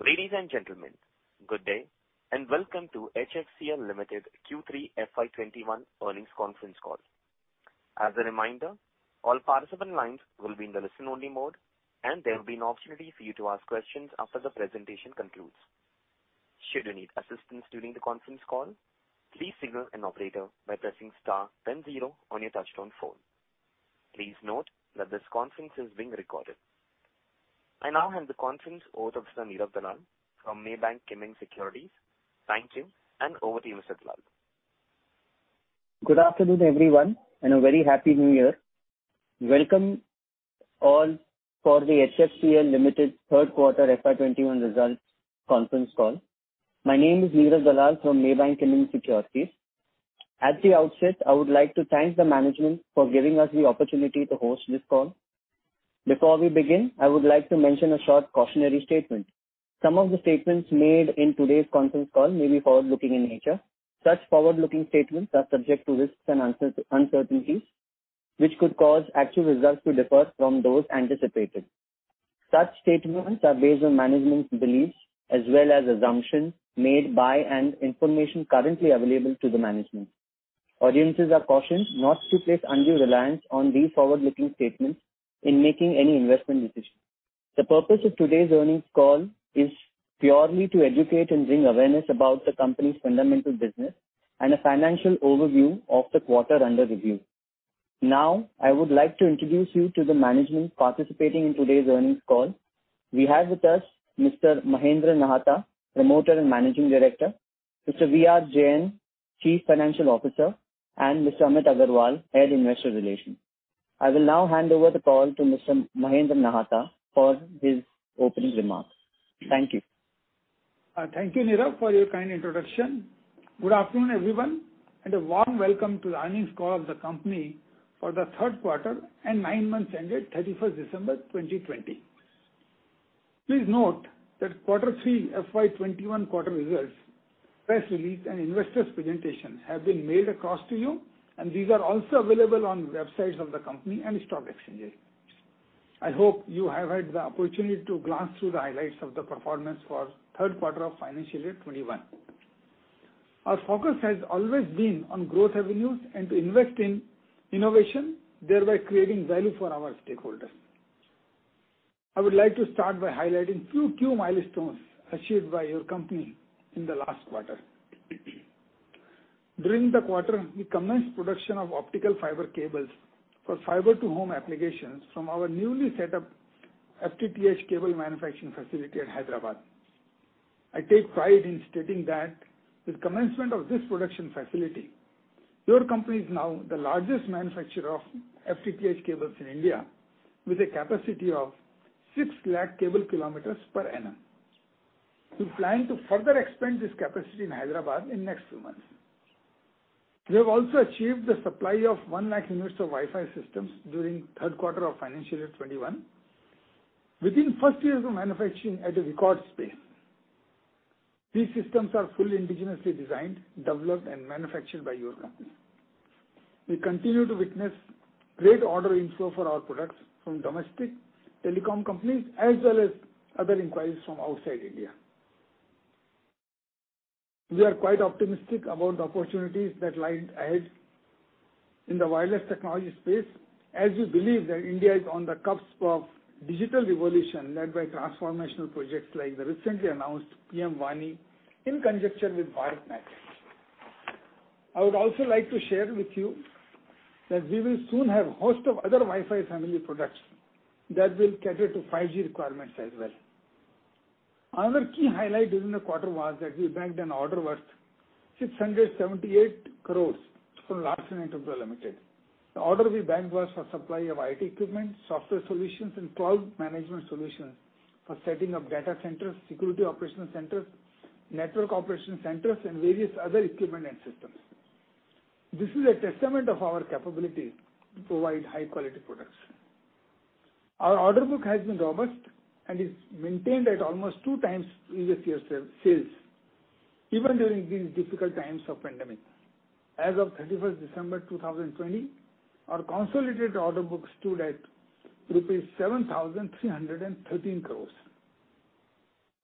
Ladies and gentlemen, good day, and welcome to HFCL Limited Q3 FY 2021 Earnings Conference Call. As a reminder, all participant lines will be in the listen only mode, and there will be an opportunity for you to ask questions after the presentation concludes. Should you need assistance during the conference call, please signal an operator by pressing star then zero on your touchtone phone. Please note that this conference is being recorded. I now hand the conference over to Mr. Neerav Dalal from Maybank Kim Eng Securities. Thank you, and over to you, Mr. Dalal. Good afternoon, everyone, and a very Happy New Year. Welcome all for the HFCL Limited third quarter FY 2021 Results Conference Call. My name is Neerav Dalal from Maybank Kim Eng Securities. At the outset, I would like to thank the management for giving us the opportunity to host this call. Before we begin, I would like to mention a short cautionary statement. Some of the statements made in today's conference call may be forward-looking in nature. Such forward-looking statements are subject to risks and uncertainties, which could cause actual results to differ from those anticipated. Such statements are based on management's beliefs as well as assumptions made by and information currently available to the management. Audiences are cautioned not to place undue reliance on these forward-looking statements in making any investment decision. The purpose of today's earnings call is purely to educate and bring awareness about the company's fundamental business and a financial overview of the quarter under review. I would like to introduce you to the management participating in today's earnings call. We have with us Mr. Mahendra Nahata, Promoter and Managing Director, Mr. V.R. Jain, Chief Financial Officer, and Mr. Amit Agarwal, Head, Investor Relations. I will now hand over the call to Mr. Mahendra Nahata for his opening remarks. Thank you. Thank you, Neerav, for your kind introduction. Good afternoon, everyone, and a warm welcome to the earnings call of the company for the third quarter and nine months ended 31st December 2020. Please note that quarter three FY 2021 quarter results, press release, and investors presentation have been mailed across to you, and these are also available on websites of the company and stock exchanges. I hope you have had the opportunity to glance through the highlights of the performance for our third quarter of financial year 2021. Our focus has always been on growth avenues and to invest in innovation, thereby creating value for our stakeholders. I would like to start by highlighting few key milestones achieved by your company in the last quarter. During the quarter, we commenced production of optical fiber cables for fiber to home applications from our newly set up FTTH cable manufacturing facility at Hyderabad. I take pride in stating that with commencement of this production facility, your company is now the largest manufacturer of FTTH cables in India, with a capacity of 6 lakh cable kilometers per annum. We plan to further expand this capacity in Hyderabad in next few months. We have also achieved the supply of 1 lakh units of Wi-Fi systems during third quarter of financial year 2021 within first years of manufacturing at a record pace. These systems are fully indigenously designed, developed, and manufactured by your company. We continue to witness great order inflow for our products from domestic telecom companies as well as other inquiries from outside India. We are quite optimistic about the opportunities that lie ahead in the wireless technology space as we believe that India is on the cusp of digital revolution led by transformational projects like the recently announced PM-WANI, in conjunction with BharatNet. I would also like to share with you that we will soon have host of other Wi-Fi family products that will cater to 5G requirements as well. Another key highlight during the quarter was that we bagged an order worth 678 crores from Larsen & Toubro Limited. The order we bagged was for supply of IT equipment, software solutions, and cloud management solutions for setting up data centers, security operational centers, network operational centers, and various other equipment and systems. This is a testament of our capability to provide high quality products. Our order book has been robust and is maintained at almost two times previous year sales, even during these difficult times of pandemic. As of 31st December 2020, our consolidated order book stood at rupees 7,313 crores.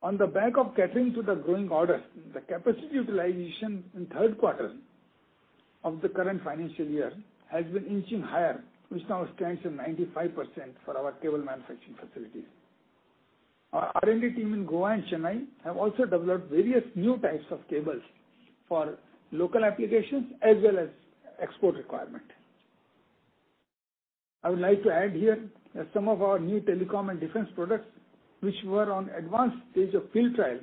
On the back of catering to the growing orders, the capacity utilization in third quarter of the current financial year has been inching higher, which now stands at 95% for our cable manufacturing facilities. Our R&D team in Goa and Chennai have also developed various new types of cables for local applications as well as export requirement. I would like to add here that some of our new telecom and defense products, which were on advanced stage of field trial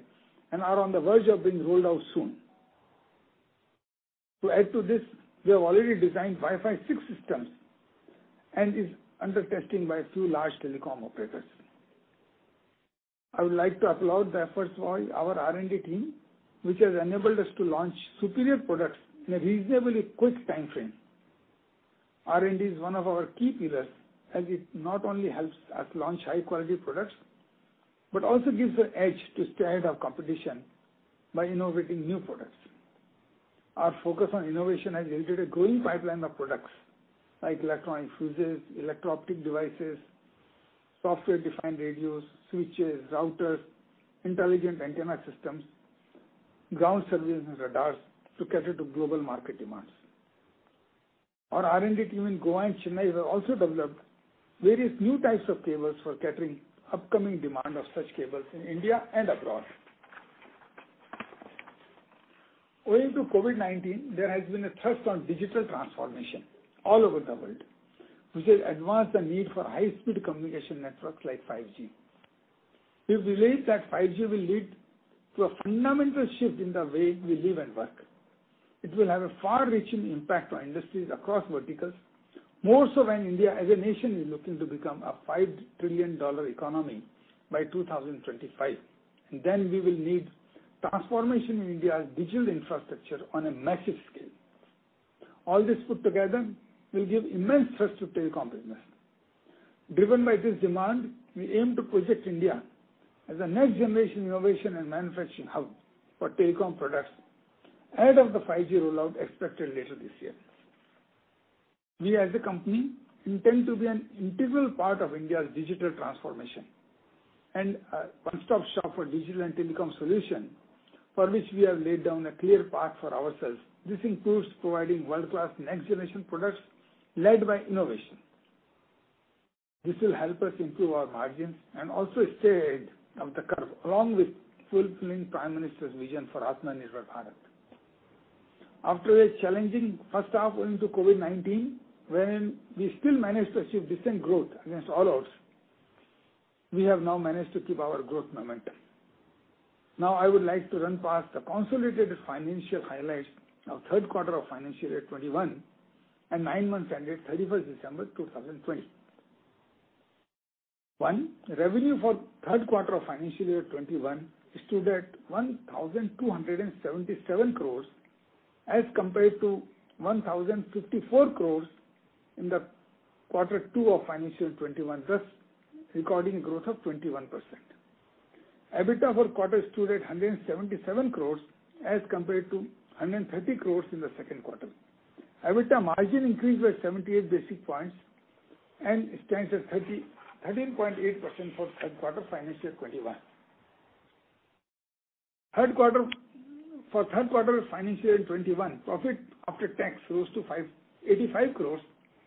and are on the verge of being rolled out soon. To add to this, we have already designed Wi-Fi 6 systems, and is under testing by a few large telecom operators. I would like to applaud the efforts by our R&D team, which has enabled us to launch superior products in a reasonably quick timeframe. R&D is one of our key pillars as it not only helps us launch high quality products, but also gives the edge to stay ahead of competition by innovating new products. Our focus on innovation has yielded a growing pipeline of products like electronic fuses, electro-optic devices, software-defined radios, switches, routers, intelligent antenna systems, ground service radars to cater to global market demands. Our R&D team in Goa and Chennai have also developed various new types of cables for catering upcoming demand of such cables in India and abroad. Owing to COVID-19, there has been a thrust on digital transformation all over the world, which has advanced the need for high-speed communication networks like 5G. We believe that 5G will lead to a fundamental shift in the way we live and work. It will have a far-reaching impact on industries across verticals, more so when India as a nation is looking to become a $5 trillion economy by 2025. We will need transformation in India's digital infrastructure on a massive scale. All this put together will give immense thrust to telecom business. Driven by this demand, we aim to project India as a next-generation innovation and manufacturing hub for telecom products ahead of the 5G rollout expected later this year. We as a company intend to be an integral part of India's digital transformation and a one-stop shop for digital and telecom solution for which we have laid down a clear path for ourselves. This includes providing world-class next generation products led by innovation. This will help us improve our margins and also stay ahead of the curve, along with fulfilling Prime Minister's vision for Atmanirbhar Bharat. After a challenging first half owing to COVID-19, when we still managed to achieve decent growth against all odds, we have now managed to keep our growth momentum. Now I would like to run past the consolidated financial highlights of third quarter of financial year 2021 and nine months ended 31st December 2020. One, revenue for third quarter of financial year 2021 stood at 1,277 crore as compared to 1,054 crore in the quarter two of financial 2021, thus recording growth of 21%. EBITDA for quarter stood at 177 crores as compared to 130 crores in the second quarter. EBITDA margin increased by 178 basis points and stands at 13.8% for third quarter financial 2021. For third quarter financial 2021, profit after tax rose to 85 crores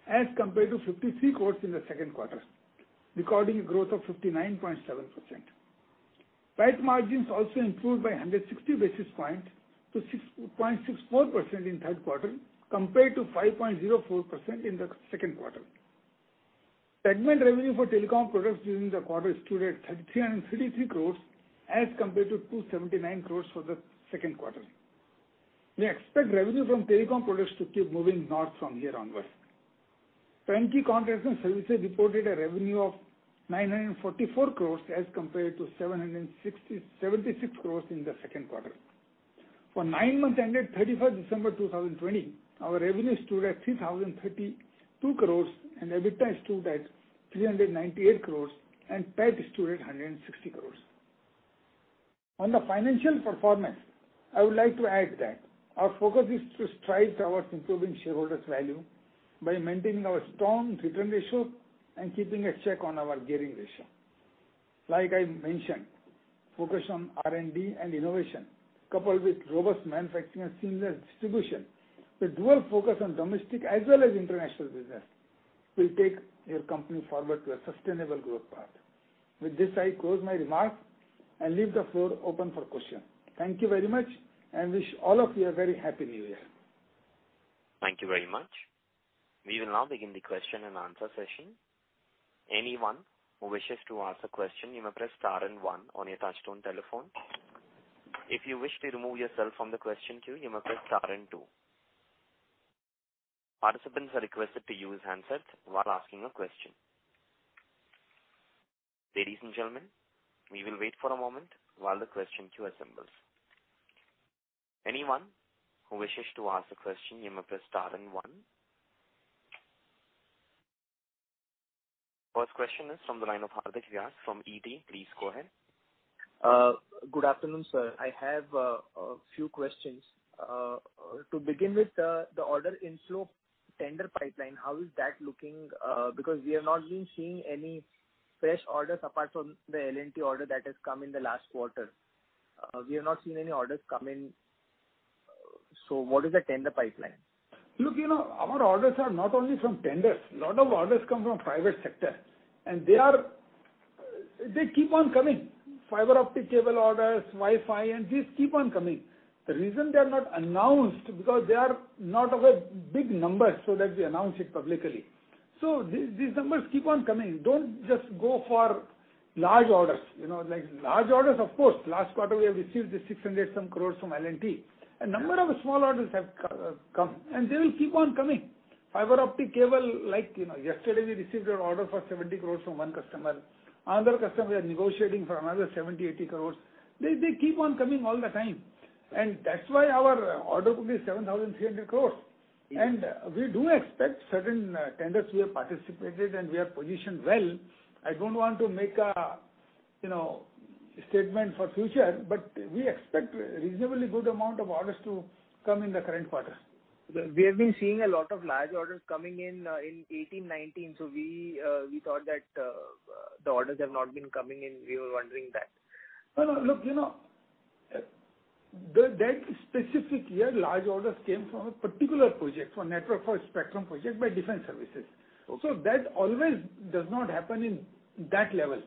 as compared to 53 crores in the second quarter, recording a growth of 59.7%. PAT margins also improved by 160 basis points to 6.64% in third quarter, compared to 5.04% in the second quarter. Segment revenue for telecom products during the quarter stood at 333 crores as compared to 279 crores for the second quarter. We expect revenue from telecom products to keep moving north from here onwards. Turnkey contracts and services reported a revenue of 944 crores as compared to 776 crores in the second quarter. For nine months ended 31st December 2020, our revenue stood at 3,032 crores and EBITDA stood at 398 crores and PAT stood at 160 crores. On the financial performance, I would like to add that our focus is to strive towards improving shareholders' value by maintaining our strong return ratio and keeping a check on our gearing ratio. Like I mentioned, focus on R&D and innovation coupled with robust manufacturing and seamless distribution with dual focus on domestic as well as international business will take your company forward to a sustainable growth path. With this, I close my remarks and leave the floor open for question. Thank you very much and wish all of you a very happy New Year. Thank you very much. We will now begin the question and answer session. Anyone who wishes to ask a question, you may press star and one on your touch-tone telephone. If you wish to remove yourself from the question queue, you may press star and two. Participants are requested to use handsets while asking a question. Ladies and gentlemen, we will wait for a moment while the question queue assembles. Anyone who wishes to ask a question, you may press star and one. First question is from the line of Hardik Vyas from ET. Please go ahead. Good afternoon, sir. I have a few questions. To begin with, the order inflow tender pipeline, how is that looking because we have not been seeing any fresh orders apart from the L&T order that has come in the last quarter. We have not seen any orders come in. What is the tender pipeline? Look, our orders are not only from tenders. A lot of orders come from private sector, and they keep on coming. Fiber optic cable orders, Wi-Fi, and these keep on coming. The reason they are not announced, because they are not of a big number so that we announce it publicly. These numbers keep on coming. Don't just go for large orders. Large orders, of course, last quarter we have received the 600 some crores from L&T. A number of small orders have come, and they will keep on coming. Fiber optic cable, like yesterday we received an order for 70 crores from one customer. Another customer we are negotiating for another 70-80 crores. They keep on coming all the time. That's why our order book is 7,300 crores. We do expect certain tenders we have participated and we are positioned well. I don't want to make You know, statement for future, but we expect a reasonably good amount of orders to come in the current quarter. We have been seeing a lot of large orders coming in 2018-2019, so we thought that the orders have not been coming and we were wondering that. No, look, that specific year, large orders came from a particular project, for network, for a Spectrum project by defense services. That always does not happen in that level.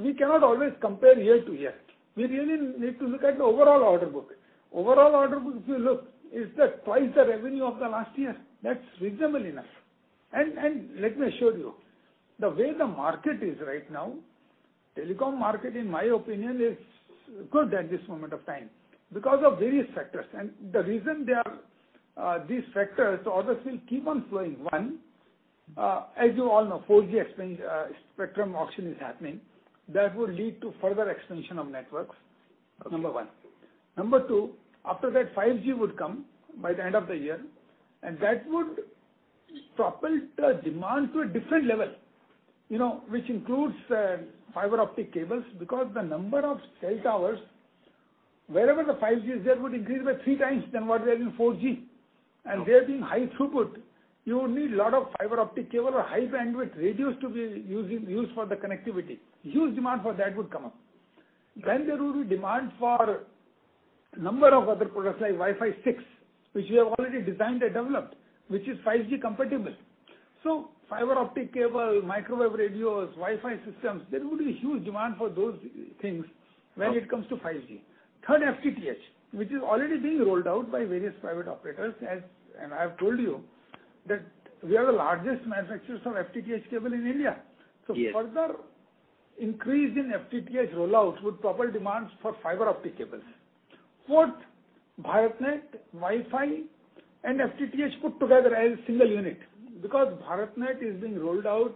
We cannot always compare year to year. We really need to look at the overall order book. Overall order book, if you look, is twice the revenue of the last year. That's reasonable enough. Let me assure you, the way the market is right now, telecom market, in my opinion, is good at this moment of time because of various factors. The reason these factors, orders will keep on flowing. One, as you all know, 4G spectrum auction is happening. That will lead to further extension of networks. Number one. Number two, after that, 5G would come by the end of the year, and that would propel the demand to a different level, which includes fiber optic cables, because the number of cell towers, wherever the 5G is there, would increase by three times than what they are in 4G. They're being high throughput. You need lot of fiber optic cable or high bandwidth radios to be used for the connectivity. Huge demand for that would come up. There will be demand for a number of other products like Wi-Fi 6, which we have already designed and developed, which is 5G compatible. Fiber optic cable, microwave radios, Wi-Fi systems, there would be huge demand for those things when it comes to 5G. Third, FTTH, which is already being rolled out by various private operators. I've told you that we are the largest manufacturers of FTTH cable in India. Yes. Further increase in FTTH rollouts would propel demands for fiber optic cables. Fourth, BharatNet, Wi-Fi, and FTTH put together as single unit. BharatNet is being rolled out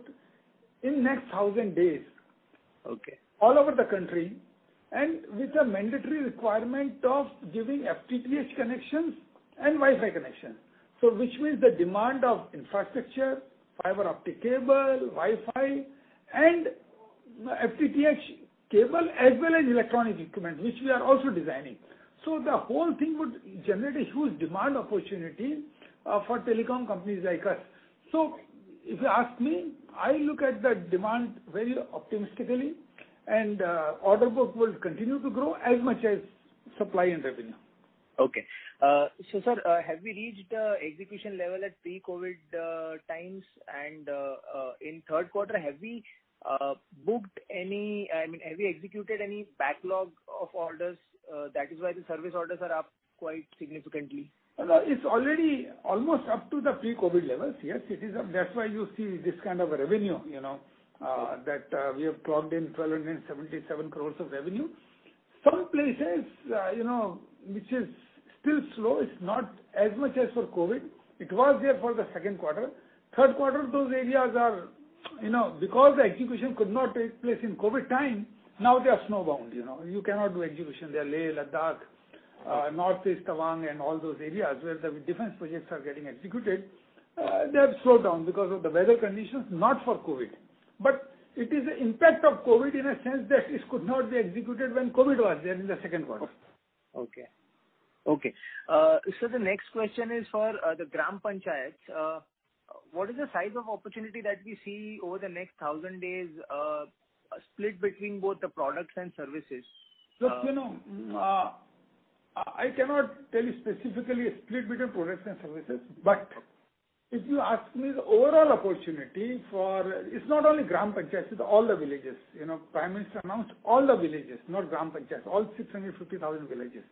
in next 1,000 days. Okay all over the country, and with a mandatory requirement of giving FTTH connections and Wi-Fi connection. Which means the demand of infrastructure, fibre-optic cable, Wi-Fi, and FTTH cable, as well as electronic equipment, which we are also designing. The whole thing would generate a huge demand opportunity for telecom companies like us. If you ask me, I look at that demand very optimistically, and order book will continue to grow as much as supply and revenue. Okay. Sir, have we reached execution level at pre-COVID times and in third quarter, have we executed any backlog of orders, that is why the service orders are up quite significantly? It's already almost up to the pre-COVID levels. That's why you see this kind of revenue, that we have clocked in 1,277 crore of revenue. Some places, which is still slow, it's not as much as for COVID. It was there for the second quarter. Third quarter, those areas are because the execution could not take place in COVID time, now they are snowbound. You cannot do execution there. Leh, Ladakh, Northeast Tawang and all those areas where the defense projects are getting executed, they have slowed down because of the weather conditions, not for COVID. It is the impact of COVID in a sense that it could not be executed when COVID was there in the second quarter. Okay. The next question is for the Gram Panchayats. What is the size of opportunity that we see over the next 1,000 days, split between both the products and services? Look, I cannot tell you specifically split between products and services. If you ask me the overall opportunity, it's not only Gram Panchayats, it's all the villages. Prime Minister announced all the villages, not Gram Panchayats, all 650,000 villages.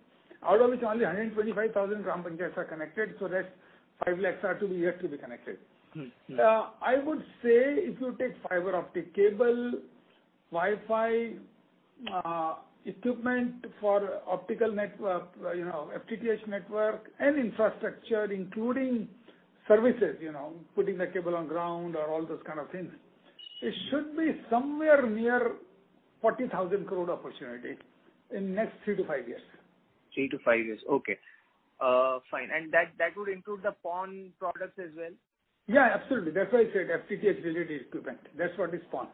Out of which only 125,000 Gram Panchayats are connected, that's five lakhs are yet to be connected. I would say if you take fiber optic cable, Wi-Fi, equipment for optical network, FTTH network, and infrastructure, including services, putting the cable on ground or all those kind of things, it should be somewhere near 40,000 crore opportunity in next three to five years. Three to five years. Okay. Fine. That would include the PON products as well? Yeah, absolutely. That's why I said FTTH related equipment. That's what is PON.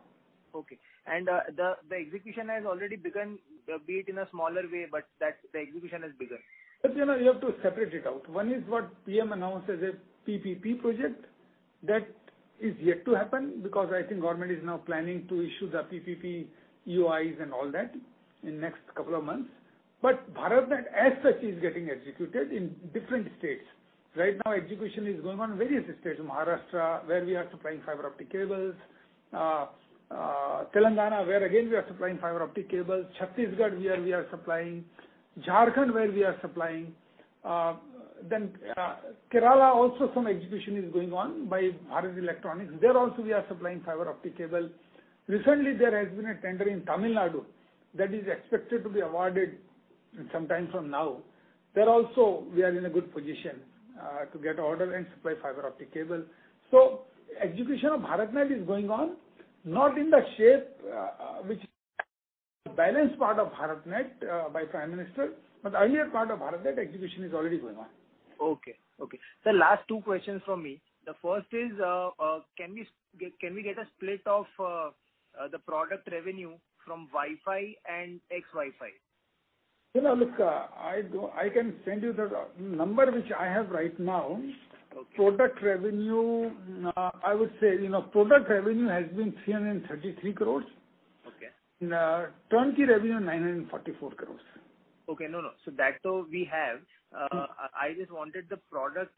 Okay. The execution has already begun, be it in a smaller way, but the execution has begun. You have to separate it out. One is what PM announced as a PPP project. That is yet to happen, because I think government is now planning to issue the PPP EOIs and all that in next couple of months. BharatNet as such is getting executed in different states. Right now, execution is going on in various states. Maharashtra, where we are supplying fiber optic cables. Telangana, where again, we are supplying fiber optic cables. Chhattisgarh, where we are supplying. Jharkhand, where we are supplying. Kerala, also some execution is going on by Bharat Electronics. There also we are supplying fiber optic cable. Recently, there has been a tender in Tamil Nadu that is expected to be awarded sometime from now. There also, we are in a good position to get order and supply fiber optic cable. Execution of BharatNet is going on, not in the shape The balance part of BharatNet by Prime Minister. The earlier part of BharatNet execution is already going on. Okay. Sir, last two questions from me. The first is, can we get a split of the product revenue from Wi-Fi and ex-Wi-Fi? Look, I can send you the number which I have right now. Okay. Product revenue, I would say, product revenue has been 333 crores. Okay. Turnkey revenue, 944 crores. Okay. No. That though we have. I just wanted the product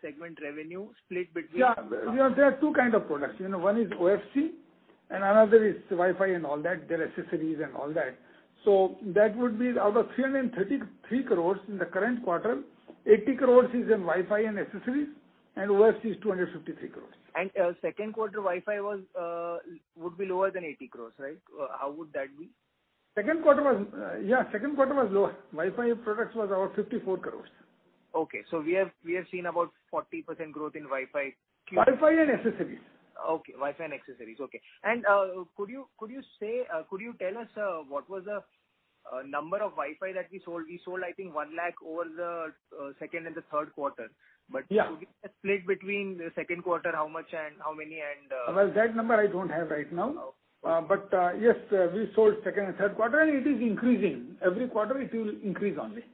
segment revenue split between- Yeah. There are two kind of products. One is OFC and another is Wi-Fi and all that, their accessories and all that. That would be out of 333 crores in the current quarter, 80 crores is in Wi-Fi and accessories, and OFC is 253 crores. Second quarter, Wi-Fi would be lower than 80 crores, right? How would that be? Yeah. Second quarter was lower. Wi-Fi products was about 54 crores. Okay. We have seen about 40% growth in Wi-Fi. Wi-Fi and accessories. Okay. Wi-Fi and accessories. Could you tell us what was the number of Wi-Fi that we sold? We sold, I think, 1 lakh over the second and the third quarter. Yeah. Could we get a split between the second quarter, how much and how many? Well, that number I don't have right now. Okay. Yes, we sold second and third quarter, and it is increasing. Every quarter, it will increase only.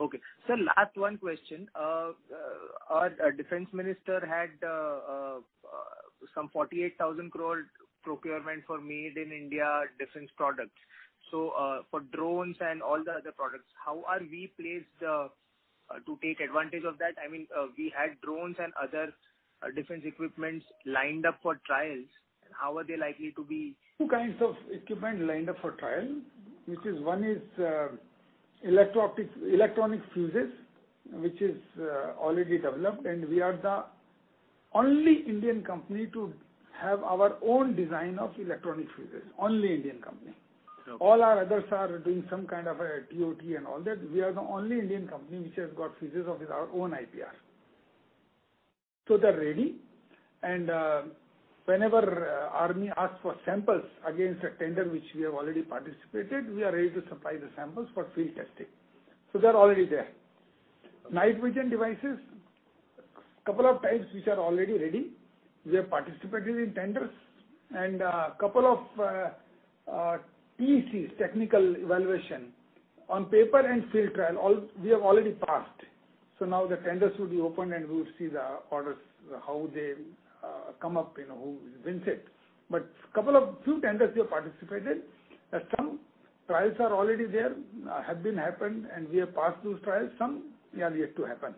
Okay. Sir, last one question. Our defense minister had some 48,000 crores procurement for made in India defense products. For drones and all the other products, how are we placed to take advantage of that? We had drones and other defense equipments lined up for trials, and how are they likely to be- Two kinds of equipment lined up for trial. One is electronic fuses, which is already developed, and we are the only Indian company to have our own design of electronic fuses. Only Indian company. Okay. All our others are doing some kind of a TOT and all that. We are the only Indian company which has got fuses of our own IPR. They're ready, and whenever army asks for samples against a tender which we have already participated, we are ready to supply the samples for field testing. They're already there. Night vision devices, couple of types which are already ready. We have participated in tenders and a couple of TECs, technical evaluation. On paper and field trial, we have already passed. Now the tenders will be open, and we will see the orders, how they come up, who wins it. Couple of few tenders we have participated. Some trials are already there, have been happened, and we have passed those trials. Some are yet to happen.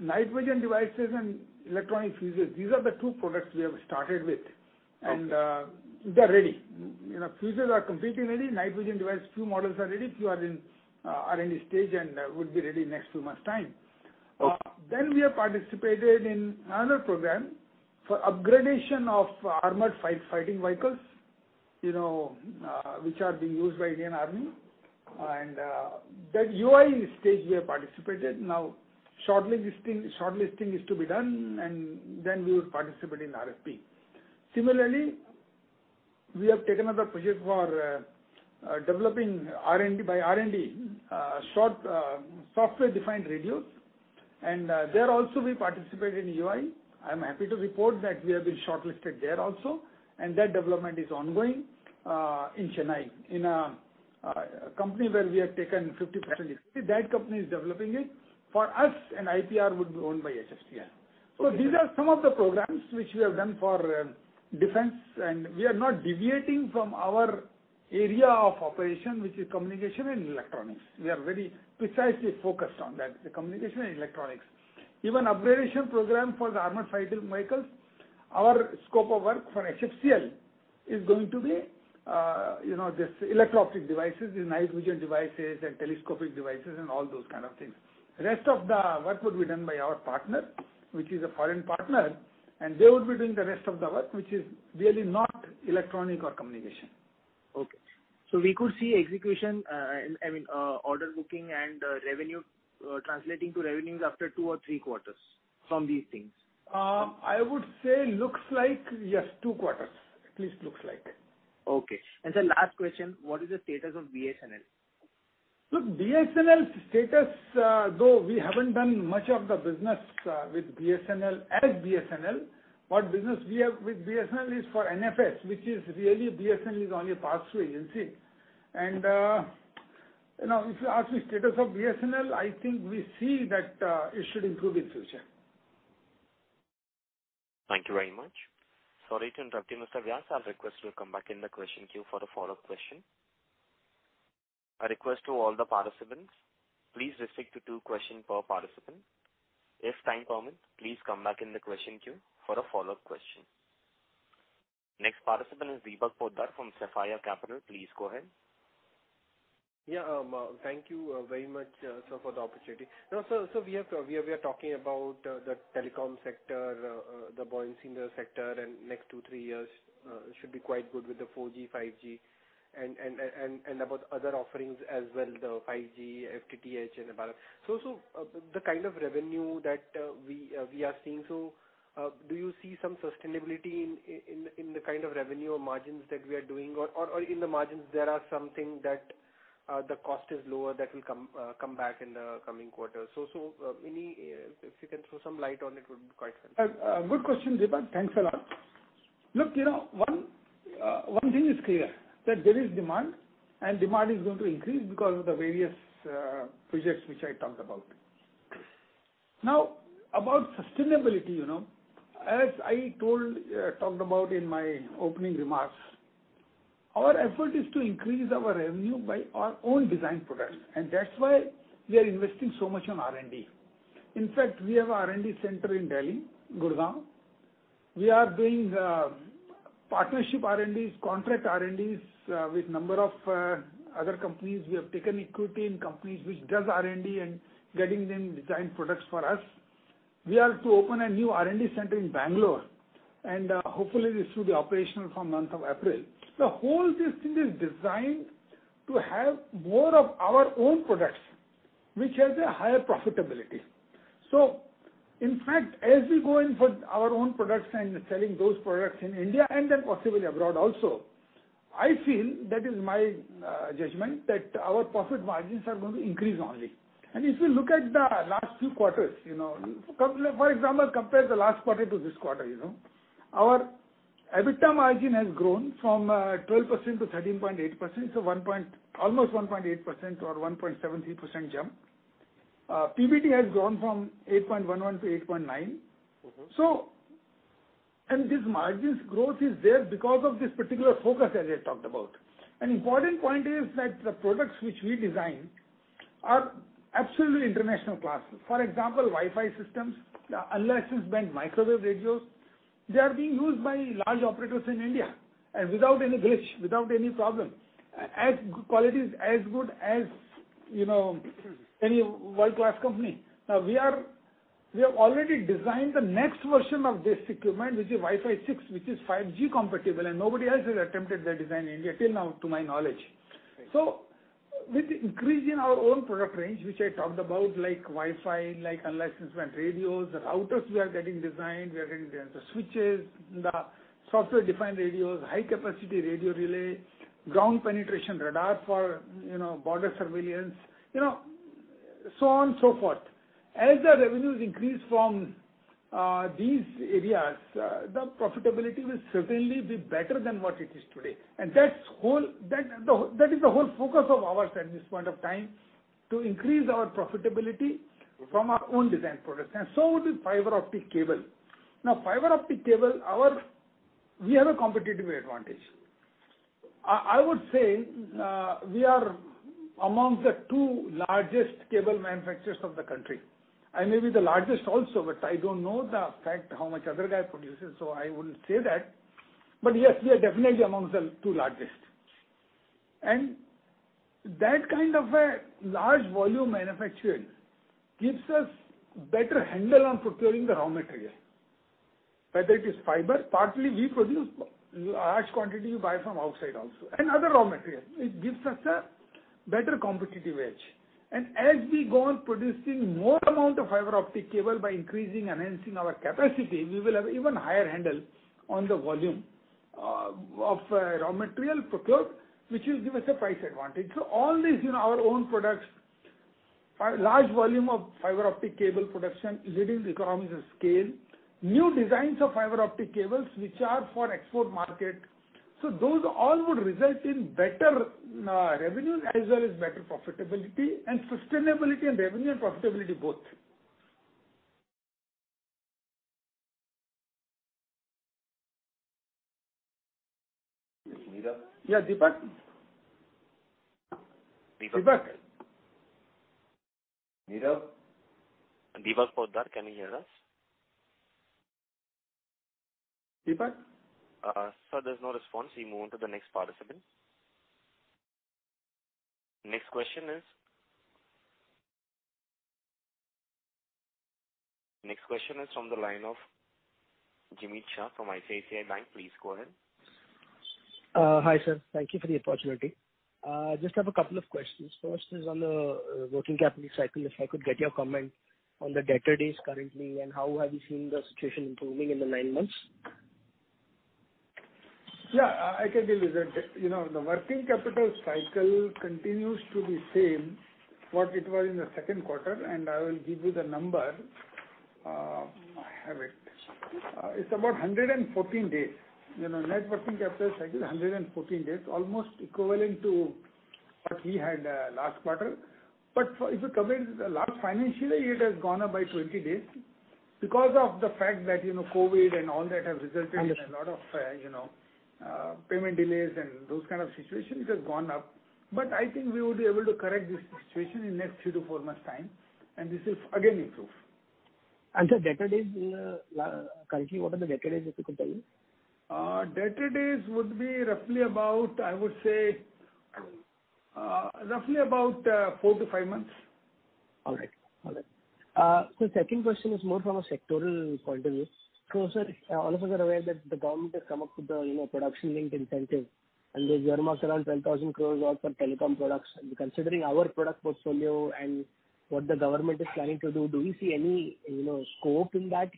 Night vision devices and electronic fuses, these are the two products we have started with. Okay. They're ready. Fuses are completely ready. Night vision device, two models are ready, two are in the stage and would be ready next two months' time. Okay. We have participated in another program for upgradation of armored fighting vehicles, which are being used by Indian Army. That EOI stage we have participated. Now, shortlisting is to be done, and then we will participate in RFP. Similarly, we have taken up the project for developing by R&D, software-defined radios. There also, we participated in EOI. I'm happy to report that we have been shortlisted there also, and that development is ongoing, in Chennai, in a company where we have taken 50% equity. That company is developing it for us, and IPR would be owned by HFCL. Okay. These are some of the programs which we have done for defense, and we are not deviating from our area of operation, which is communication and electronics. We are very precisely focused on that, the communication and electronics. Even upgradation program for the armored fighting vehicles, our scope of work for HFCL is going to be these electro-optic devices, these night vision devices and telescopic devices and all those kind of things. Rest of the work would be done by our partner, which is a foreign partner, and they would be doing the rest of the work, which is really not electronic or communication. Okay. We could see execution, I mean, order booking and translating to revenues after two or three quarters from these things? I would say, looks like, yes, two quarters, at least looks like. Okay. Sir, last question, what is the status of BSNL? Look, BSNL's status, though we haven't done much of the business with BSNL as BSNL. What business we have with BSNL is for NFS, which is really BSNL is only a pass-through agency. If you ask me status of BSNL, I think we see that it should improve in future. Thank you very much. Sorry to interrupt you, Mr. Vyas. I will request you to come back in the question queue for the follow-up question. A request to all the participants, please restrict to two questions per participant. If time permits, please come back in the question queue for the follow-up question. Next participant is Deepak Poddar from Sapphire Capital. Please go ahead. Yeah. Thank you very much, sir, for the opportunity. Now, sir, we are talking about the telecom sector, the buoyancy in the sector. Next two, three years should be quite good with the 4G, 5G, and about other offerings as well, the 5G, FTTH, and others. The kind of revenue that we are seeing, so do you see some sustainability in the kind of revenue margins that we are doing? In the margins, there are some things. The cost is lower that will come back in the coming quarters? If you can throw some light on it, would be quite helpful. Good question, Deepak. Thanks a lot. Look, one thing is clear, that there is demand, and demand is going to increase because of the various projects which I talked about. Now, about sustainability, as I talked about in my opening remarks, our effort is to increase our revenue by our own design products, and that's why we are investing so much on R&D. In fact, we have a R&D center in Delhi, Gurgaon. We are doing partnership R&Ds, contract R&Ds, with a number of other companies. We have taken equity in companies which does R&D and getting them design products for us. We are to open a new R&D center in Bangalore, and hopefully this will be operational from month of April. The whole system is designed to have more of our own products, which has a higher profitability. In fact, as we go in for our own products and selling those products in India and then possibly abroad also, I feel, that is my judgment, that our profit margins are going to increase only. If you look at the last few quarters, for example, compare the last quarter to this quarter. Our EBITDA margin has grown from 12% to 13.8%, so almost 1.8% or 1.73% jump. PBT has grown from 8.11 to 8.9. This margin's growth is there because of this particular focus, as I talked about. An important point is that the products which we design are absolutely international class. For example, Wi-Fi systems, unlicensed band microwave radios, they are being used by large operators in India, and without any glitch, without any problem. Quality is as good as any world-class company. Now, we have already designed the next version of this equipment, which is Wi-Fi 6, which is 5G compatible, and nobody else has attempted the design in India till now to my knowledge. Right. With the increase in our own product range, which I talked about, like Wi-Fi, like unlicensed band radios, the routers we are getting designed, we are getting the switches, the software-defined radios, high-capacity radio relay, ground penetration radar for border surveillance, so on and so forth. As the revenues increase from these areas, the profitability will certainly be better than what it is today. That is the whole focus of ours at this point of time, to increase our profitability from our own design products. With fiber optic cable. Fiber optic cable, we have a competitive advantage. I would say we are amongst the two largest cable manufacturers of the country, and maybe the largest also, but I don't know the fact how much other guy produces, so I wouldn't say that. But yes, we are definitely amongst the two largest. That kind of a large volume manufacturing gives us better handle on procuring the raw material. Whether it is fiber, partly we produce large quantity we buy from outside also, and other raw material. It gives us a better competitive edge. As we go on producing more amount of fiber optic cable by increasing, enhancing our capacity, we will have even higher handle on the volume of raw material procured, which will give us a price advantage. All these, our own products, large volume of fiber optic cable production, leading economies of scale, new designs of fiber optic cables which are for export market. Those all would result in better revenue as well as better profitability, and sustainability and revenue and profitability both. Yeah, Deepak. Deepak? Deepak Poddar, can he hear us? Deepak? Sir, there's no response. We move on to the next participant. Next question is from the line of Jimmy Shah from ICICI Bank. Please go ahead. Hi, sir. Thank you for the opportunity. Just have a couple of questions. First is on the working capital cycle, if I could get your comment on the debtor days currently, and how have you seen the situation improving in the nine months? Yeah, I can give you that. The working capital cycle continues to be same what it was in the second quarter, and I will give you the number. I have it. It's about 114 days. Net working capital cycle is 114 days, almost equivalent to what we had last quarter. If you compare with the last financial year, it has gone up by 20 days. Because of the fact that COVID and all that have resulted in a lot of payment delays and those kind of situations, it has gone up. I think we would be able to correct this situation in next three to four months' time, and this will again improve. sir, debtor days currently, what are the debtor days, if you could tell me? Debtor days would be roughly about, I would say, roughly about four to five months. All right. Sir, second question is more from a sectoral point of view. Sir, all of us are aware that the government has come up with the Production-Linked Incentive, and they've earmarked around 10,000 crores worth for telecom products. Considering our product portfolio and what the government is planning to do we see any scope in that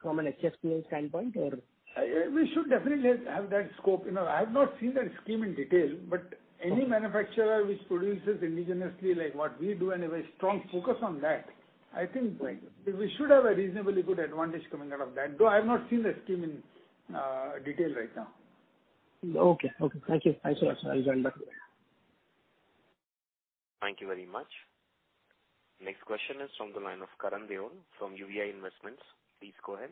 from an HFCL standpoint? We should definitely have that scope. I've not seen that scheme in detail, but any manufacturer which produces indigenously like what we do and have a strong focus on that, I think we should have a reasonably good advantage coming out of that, though I have not seen the scheme in detail right now. Okay. Thank you. I'll join back. Thank you very much. Next question is from the line of Karan from UVI Investments. Please go ahead.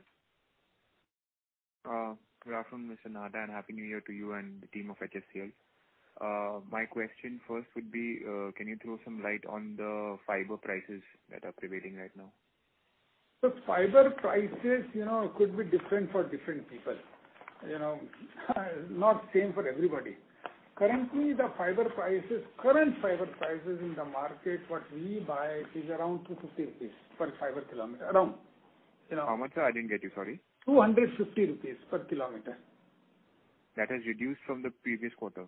Good afternoon, Mr. Nahata, and Happy New Year to you and the team of HFCL. My question first would be, can you throw some light on the fiber prices that are prevailing right now? Look, fiber prices could be different for different people. Not the same for everybody. Currently, current fiber prices in the market, what we buy, is around INR 250 per fiber km. Around. How much, sir? I didn't get you. Sorry. INR 250 per km. That has reduced from the previous quarter.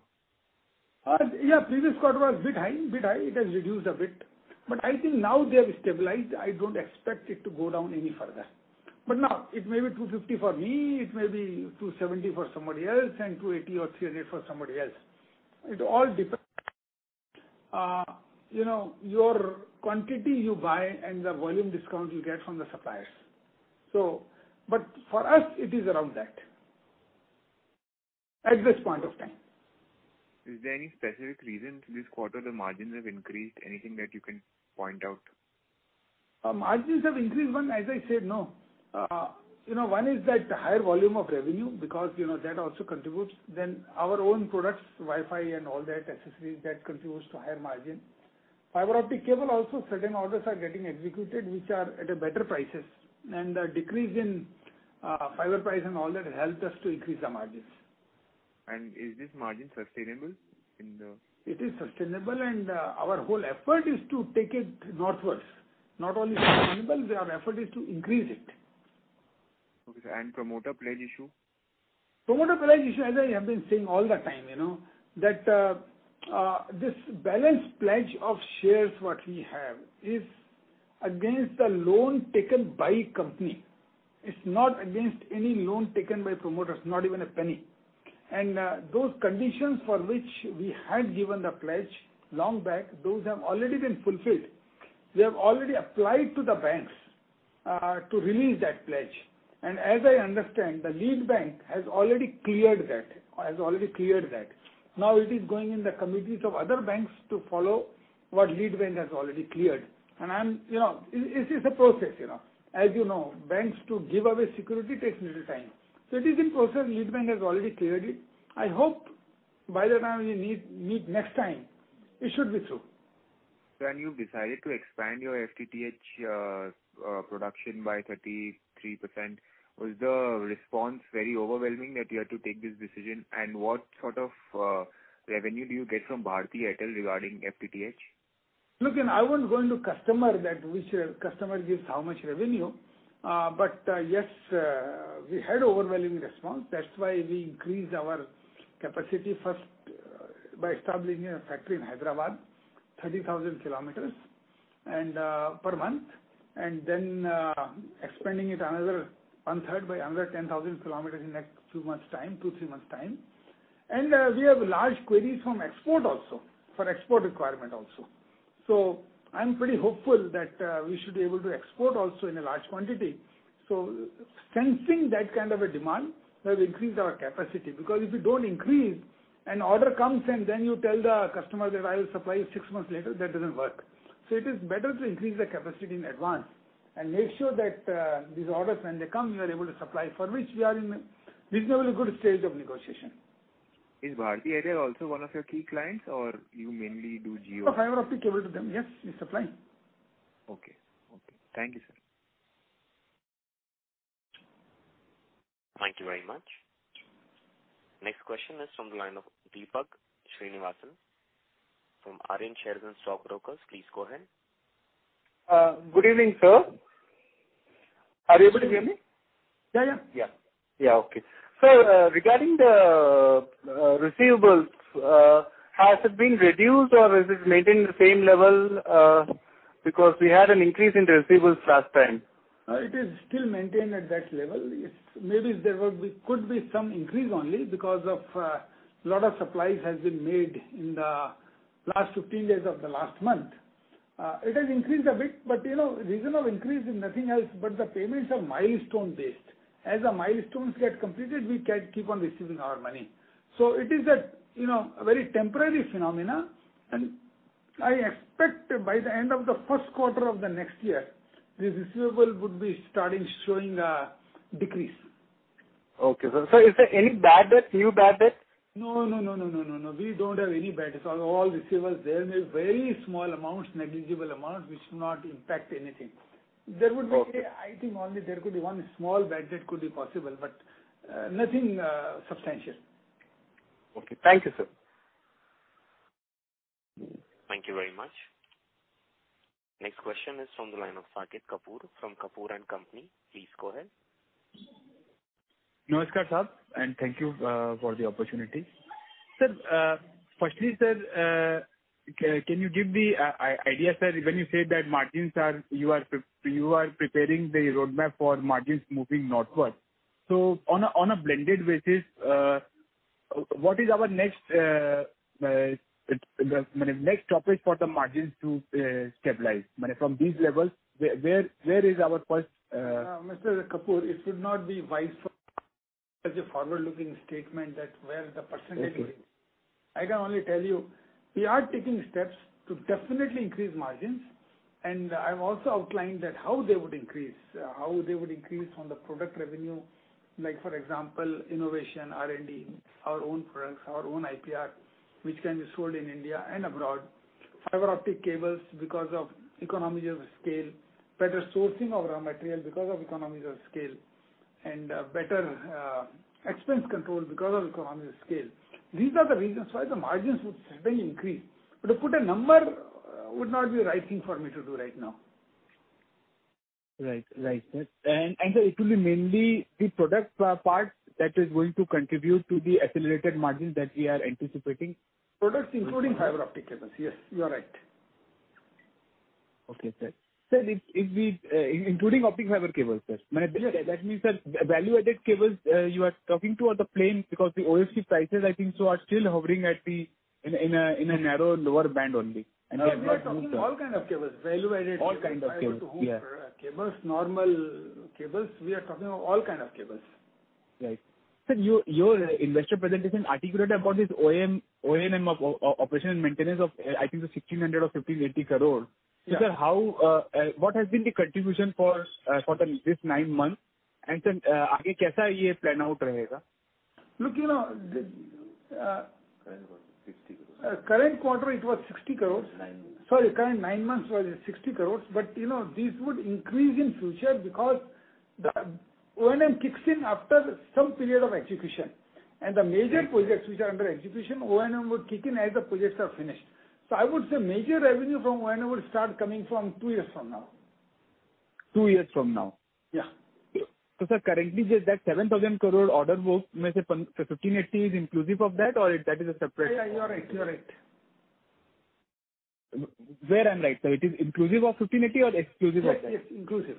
Previous quarter was a bit high. It has reduced a bit. I think now they have stabilized. I don't expect it to go down any further. Now, it may be 250 for me, it may be 270 for somebody else, and 280 or 300 for somebody else. It all depends. Your quantity you buy and the volume discount you get from the suppliers. For us, it is around that, at this point of time. Is there any specific reason this quarter the margins have increased? Anything that you can point out? Margins have increased, one, as I said, one is that higher volume of revenue, because that also contributes. Our own products, Wi-Fi and all that accessories, that contributes to higher margin. Fiber optic cable also, certain orders are getting executed, which are at better prices. A decrease in fiber price and all that helped us to increase the margins. Is this margin sustainable? It is sustainable, and our whole effort is to take it northwards. Not only sustainable, our effort is to increase it. Okay. Promoter pledge issue? Promoter pledge issue, as I have been saying all the time, that this balance pledge of shares what we have is against the loan taken by company. It's not against any loan taken by promoters, not even a penny. Those conditions for which we had given the pledge long back, those have already been fulfilled. We have already applied to the banks, to release that pledge. As I understand, the lead bank has already cleared that. Now it is going in the committees of other banks to follow what lead bank has already cleared. This is a process. As you know, banks to give away security takes a little time. It is in process. Lead bank has already cleared it. I hope by the time we meet next time, it should be through. Sir, you've decided to expand your FTTH production by 33%. Was the response very overwhelming that you had to take this decision? What sort of revenue do you get from Bharti Airtel regarding FTTH? Look, I won't go into customer, that which customer gives how much revenue. Yes, we had overwhelming response. That's why we increased our capacity first by establishing a factory in Hyderabad, 30,000 kilometers per month, and then expanding it another 1/3 by another 10,000 km in next two, three months time. We have large queries from export also, for export requirement also. I'm pretty hopeful that we should be able to export also in a large quantity. Sensing that kind of a demand, we have increased our capacity. Because if you don't increase, an order comes, and then you tell the customer that, "I will supply you six months later," that doesn't work. It is better to increase the capacity in advance and make sure that these orders, when they come, we are able to supply, for which we are in reasonably good stage of negotiation. Is Bharti Airtel also one of your key clients, or you mainly do Jio? For fiber optic cable to them, yes, we supply. Okay. Thank you, sir. Thank you very much. Next question is from the line of Deepak Srinivasan from Stock Brokers. Please go ahead. Good evening, sir. Are you able to hear me? Yeah. Yeah. Okay. Sir, regarding the receivables, has it been reduced, or is it maintained the same level? We had an increase in the receivables last time. It is still maintained at that level. Maybe there could be some increase only because of a lot of supplies has been made in the last 15 days of the last month. It has increased a bit, reason of increase is nothing else but the payments are milestone-based. As the milestones get completed, we keep on receiving our money. It is a very temporary phenomenon. I expect by the end of the first quarter of the next year, this receivable would be starting showing a decrease. Okay, sir. Sir, is there any bad debt, new bad debt? No. We don't have any bad debt. All receivables, there may very small amounts, negligible amounts, which should not impact anything. Okay. I think only there could be one small bad debt could be possible, but nothing substantial. Okay. Thank you, sir. Thank you very much. Next question is from the line of Saket Kapoor from Kapoor & Company. Please go ahead. Namaskar, sir, and thank you for the opportunity. Sir, firstly, can you give the idea, sir, when you say that you are preparing the roadmap for margins moving northwards. On a blended basis, what is our next topic for the margins to stabilize? From these levels, where is our first? Mr. Kapoor, it should not be wise as a forward-looking statement that where the percentage is. Okay. I can only tell you, we are taking steps to definitely increase margins, and I've also outlined that how they would increase, how they would increase from the product revenue. Like for example, innovation, R&D, our own products, our own IPR, which can be sold in India and abroad. Fiber optic cables, because of economies of scale. Better sourcing of raw material, because of economies of scale. Better expense control, because of economies of scale. These are the reasons why the margins would suddenly increase. To put a number would not be the right thing for me to do right now. It will be mainly the product part that is going to contribute to the accelerated margins that we are anticipating. Products including fiber optic cables. Yes, you are right. Okay, sir. Sir, including optic fiber cables, sir. That means that value-added cables, you are talking toward the plain because the OFC prices, I think so, are still hovering in a narrow lower band only, and have not moved. Yes, we are talking all kind of cables, value-added. All kind of cables. Yes. Cables, normal cables. We are talking of all kind of cables. Right. Sir, your investor presentation articulated about this O&M, operation and maintenance of, I think it's 1,600 crore or 1,580 crore. Yes. Sir, what has been the contribution for this nine months? Sir, plan out? Look. Current quarter, INR 60 crores. Current quarter, it was 60 crores. It's nine months. Sorry, current nine months was 60 crores. These would increase in future because the O&M kicks in after some period of execution. The major projects which are under execution, O&M would kick in as the projects are finished. I would say major revenue from O&M would start coming from two years from now. Two years from now. Yeah. sir, currently, that 7,000 crore order book, 1,580 is inclusive of that, or that is a separate? Yeah, you are right. Where I'm right, sir. It is inclusive of 1,580 or exclusive of that? Yes. Inclusive.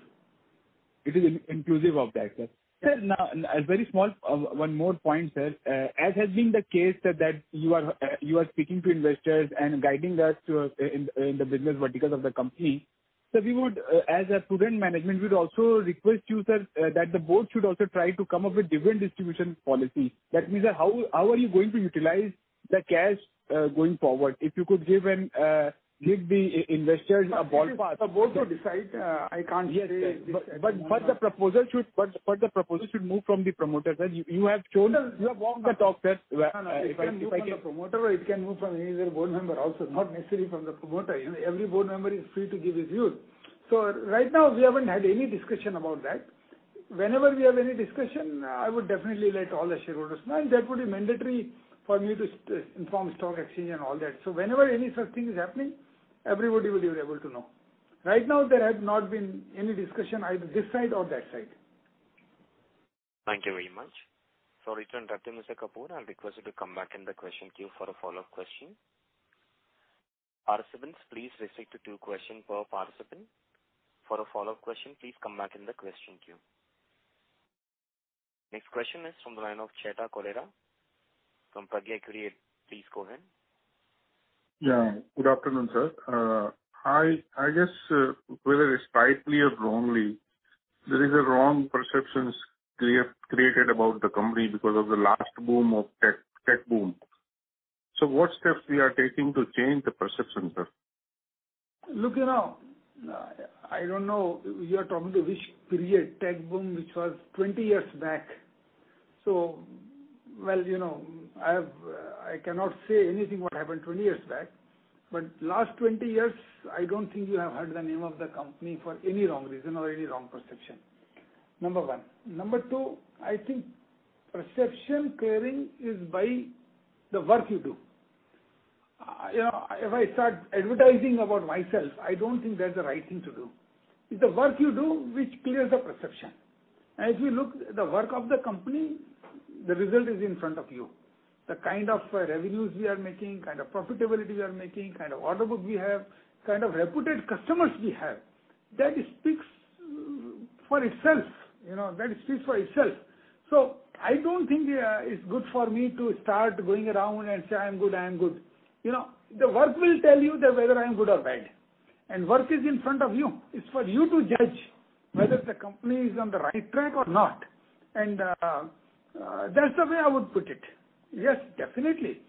It is inclusive of that, sir. Sir, now, a very small one more point, sir. As has been the case, sir, that you are speaking to investors and guiding us in the business verticals of the company. Sir, as a prudent management, we would also request you, sir, that the board should also try to come up with different distribution policy. That means, sir, how are you going to utilize the cash going forward? If you could give the investors a ballpark. The board will decide. I can't say. Yes, sir. The proposal should move from the promoters, sir. You have shown the top, sir. It can move from the promoter, or it can move from any other board member also, not necessarily from the promoter. Every board member is free to give his view. Right now, we haven't had any discussion about that. Whenever we have any discussion, I would definitely let all the shareholders know, and that would be mandatory for me to inform stock exchange and all that. Whenever any such thing is happening, everybody will be able to know. Right now, there has not been any discussion either this side or that side. Thank you very much. Sorry to interrupt you, Mr. Kapoor. I'll request you to come back in the question queue for a follow-up question. Participants, please restrict to two question per participant. For a follow-up question, please come back in the question queue. Next question is from the line of Chetan Cholera from Pragya Equities. Please go ahead. Yeah. Good afternoon, sir. I guess, whether it's rightly or wrongly, there is a wrong perceptions created about the company because of the last tech boom. What steps we are taking to change the perceptions, sir? I don't know. You are talking the which period tech boom, which was 20 years back. Well, I cannot say anything what happened 20 years back. Last 20 years, I don't think you have heard the name of the company for any wrong reason or any wrong perception. Number one. Number two, I think perception clearing is by the work you do. If I start advertising about myself, I don't think that's the right thing to do. It's the work you do which clears the perception. As you look the work of the company, the result is in front of you. The kind of revenues we are making, kind of profitability we are making, kind of order book we have, kind of reputed customers we have. That speaks for itself. I don't think it's good for me to start going around and say, "I am good." The work will tell you that whether I'm good or bad. Work is in front of you. It's for you to judge whether the company is on the right track or not. That's the way I would put it. Yes, definitely.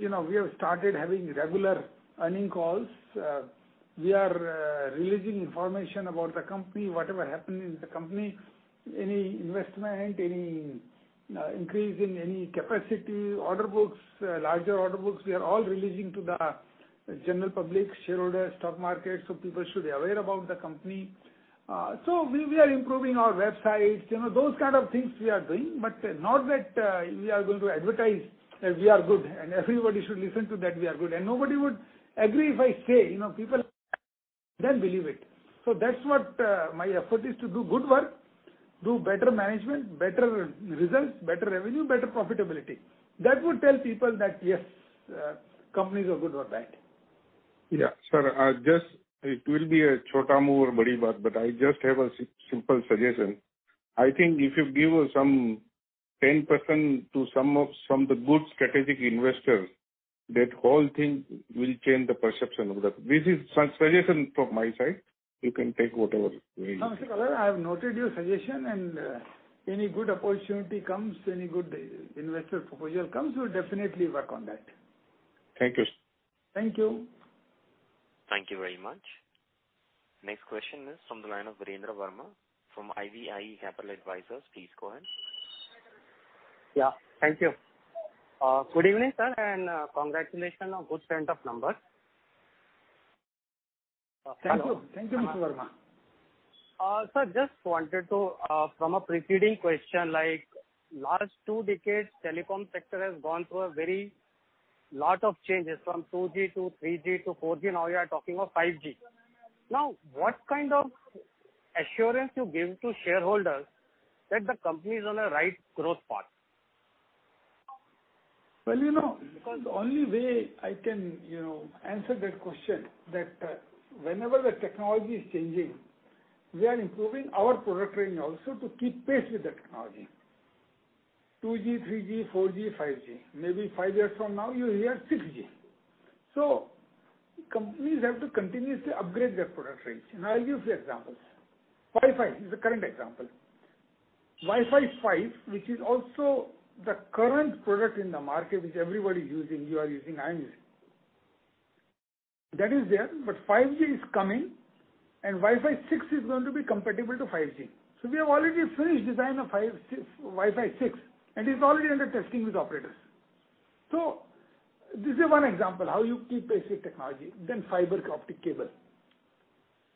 We have started having regular earning calls. We are releasing information about the company, whatever happened in the company, any investment, any increase in any capacity, order books, larger order books, we are all releasing to the general public, shareholders, stock market, so people should be aware about the company. We are improving our website, those kind of things we are doing, but not that we are going to advertise that we are good, and everybody should listen to that we are good. Nobody would agree if I say. People then believe it. That's what my effort is to do good work, do better management, better results, better revenue, better profitability. That would tell people that, yes, company is good or bad. Yeah. Sir. I just have a simple suggestion. I think if you give some 10% to some of the good strategic investors, that whole thing will change the perception of that. This is suggestion from my side. You can take whatever way you think. No, sir. I have noted your suggestion, and any good opportunity comes, any good investor proposal comes, we'll definitely work on that. Thank you. Thank you. Thank you very much. Next question is from the line of Virendra Verma from IVI Capital Advisors. Please go ahead. Yeah, thank you. Good evening, sir, and congratulations on good set of numbers. Thank you, Mr. Verma. Sir, just wanted to, from a preceding question, last two decades, telecom sector has gone through a lot of changes, from 2G to 3G to 4G, now we are talking of 5G. Now, what kind of assurance you give to shareholders that the company is on a right growth path? Well, the only way I can answer that question, that whenever the technology is changing, we are improving our product range also to keep pace with the technology. 2G, 3G, 4G, 5G. Maybe five years from now, you'll hear 6G. Companies have to continuously upgrade their product range, and I'll give you examples. Wi-Fi is a current example. Wi-Fi 5, which is also the current product in the market, which everybody is using, you are using, I am using. That is there, but 5G is coming, and Wi-Fi 6 is going to be compatible to 5G. We have already finished design of Wi-Fi 6, and it's already under testing with operators. Fiber optic cable,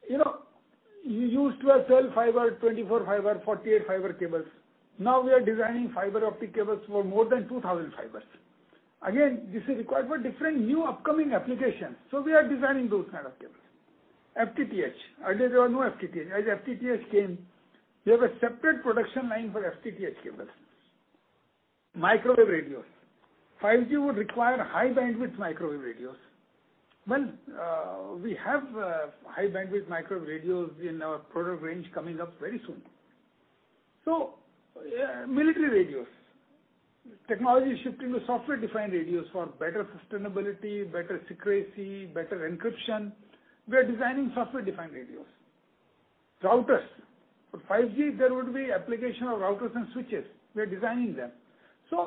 you used to have 12 fiber, 24 fiber, 48 fiber cables. Now we are designing fibre-optic cables for more than 2,000 fibers. This is required for different new upcoming applications. We are designing those kind of cables. FTTH. Earlier there was no FTTH. As FTTH came, we have a separate production line for FTTH cables. Microwave radios. 5G would require high bandwidth microwave radios. Well, we have high bandwidth microwave radios in our product range coming up very soon. Military radios. Technology is shifting to software-defined radios for better sustainability, better secrecy, better encryption. We are designing software-defined radios. Routers. For 5G, there would be application of routers and switches. We are designing them.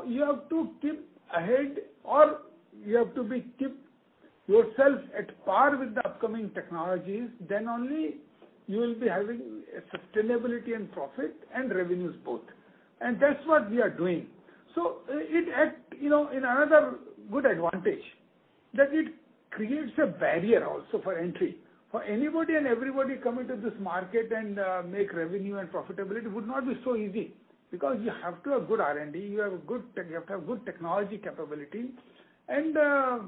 You have to keep ahead, or you have to keep yourself at par with the upcoming technologies, then only you will be having a sustainability and profit and revenues both. That's what we are doing. It had another good advantage, that it creates a barrier also for entry. For anybody and everybody coming to this market and make revenue and profitability would not be so easy, because you have to have good R&D, you have to have good technology capability. Customer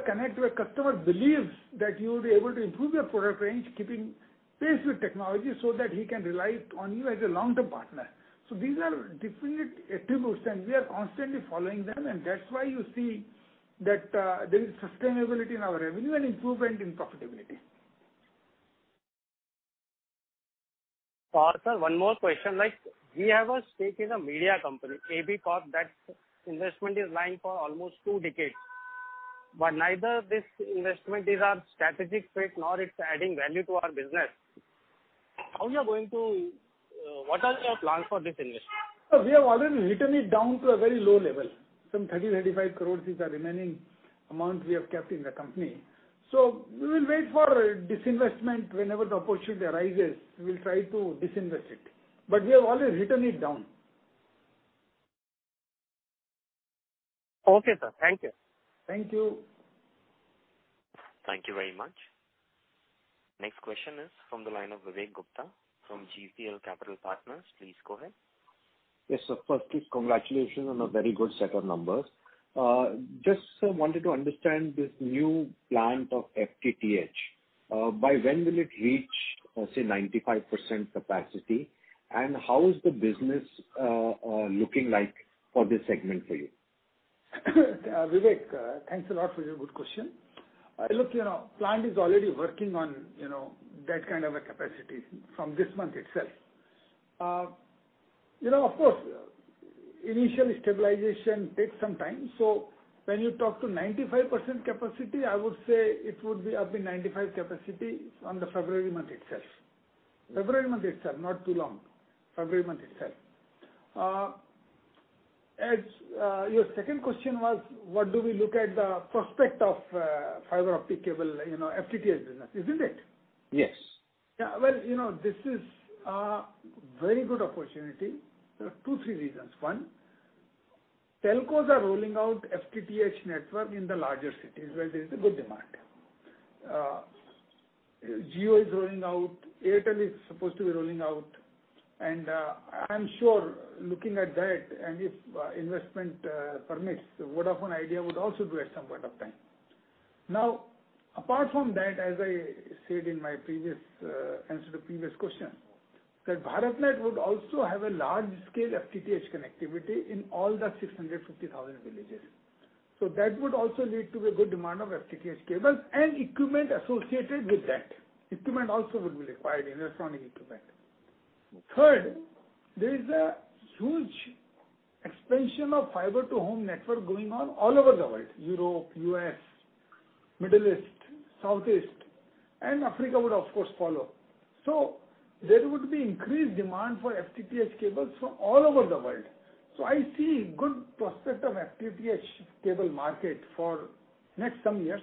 connect, where customer believes that you will be able to improve your product range, keeping pace with technology, so that he can rely on you as a long-term partner. These are definite attributes, and we are constantly following them, and that's why you see that there is sustainability in our revenue and improvement in profitability. Sir, one more question. We have a stake in a media company, AB Corp. That investment is lying for almost two decades. Neither this investment is our strategic fit, nor it's adding value to our business. What are your plans for this investment? Sir, we have already written it down to a very low level. Some 30, 35 crores is the remaining amount we have kept in the company. We will wait for disinvestment. Whenever the opportunity arises, we will try to disinvest it. We have already written it down. Okay, sir. Thank you. Thank you. Thank you very much. Next question is from the line of Vivek Gupta from GEPL Capital Partners. Please go ahead. Yes, sir. Firstly, congratulations on a very good set of numbers. Just, sir, wanted to understand this new plant of FTTH. By when will it reach, say, 95% capacity? How is the business looking like for this segment for you? Vivek, thanks a lot for your good question. Look, plant is already working on that kind of a capacity from this month itself. Of course, initial stabilization takes some time. When you talk to 95% capacity, I would say it would be up in 95 capacity from the February month itself, not too long. February month itself. Your second question was, what do we look at the prospect of fiber optic cable, FTTH business, isn't it? Yes. Well, this is a very good opportunity. There are two, three reasons. One, telcos are rolling out FTTH network in the larger cities where there is a good demand. Jio is rolling out, Airtel is supposed to be rolling out. I'm sure, looking at that, and if investment permits, Vodafone Idea would also do at some point of time. Now, apart from that, as I said in my answer to the previous question. That BharatNet would also have a large-scale FTTH connectivity in all the 650,000 villages. That would also lead to a good demand of FTTH cables and equipment associated with that. Equipment also would be required, electronic equipment. Third, there is a huge expansion of fiber to home network going on all over the world, Europe, U.S., Middle East, Southeast, and Africa would of course follow. There would be increased demand for FTTH cables from all over the world. I see good prospect of FTTH cable market for next some years,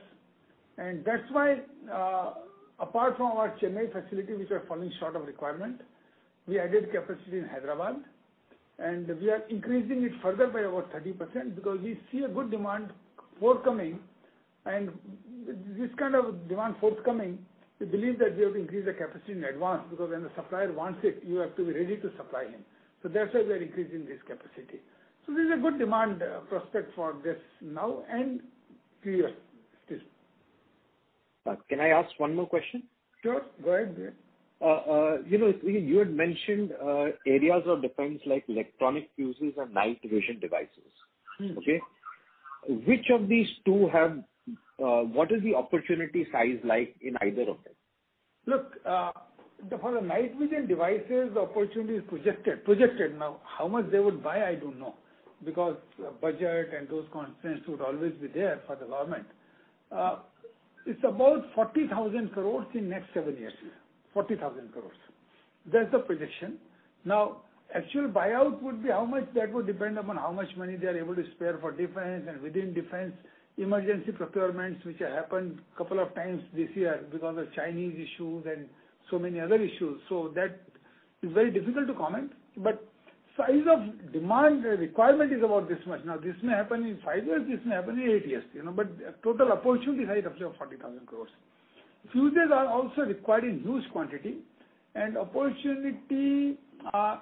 and that's why, apart from our Chennai facility, which was falling short of requirement, we added capacity in Hyderabad, and we are increasing it further by about 30%, because we see a good demand forthcoming. This kind of demand forthcoming, we believe that we have to increase the capacity in advance, because when the supplier wants it, you have to be ready to supply him. That's why we are increasing this capacity. There's a good demand prospect for this now and few years still. Can I ask one more question? Sure. Go ahead. You had mentioned areas of defense like electronic fuses and night vision devices. Okay. What is the opportunity size like in either of them? Look, for the night vision devices, the opportunity is projected. Now, how much they would buy, I don't know. Because budget and those constraints would always be there for the government. It's about 40,000 crores in next seven years. 40,000 crores. That's the projection. Now, actual buyout would be how much that would depend upon how much money they're able to spare for defense and within defense, emergency procurements, which happened couple of times this year because of Chinese issues and so many other issues. That is very difficult to comment. Size of demand requirement is about this much. Now, this may happen in five years, this may happen in eight years. Total opportunity size roughly of 40,000 crores. Fuses are also required in huge quantity. Opportunity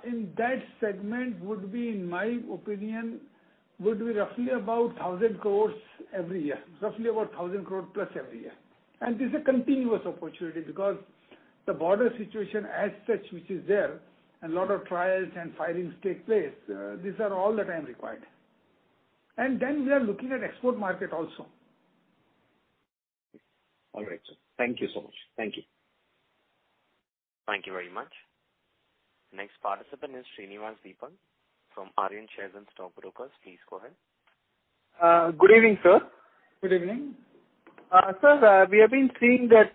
in that segment would be, in my opinion, would be roughly about 1,000 crores every year. Roughly about 1,000 crore plus every year. This is a continuous opportunity because the border situation as such, which is there, and lot of trials and firings take place, these are all the time required. We are looking at export market also. All right, sir. Thank you so much. Thank you. Thank you very much. Next participant is Srinivas Deepan from Aryan Share and Stock Brokers. Please go ahead. Good evening, sir. Good evening. Sir, we have been seeing that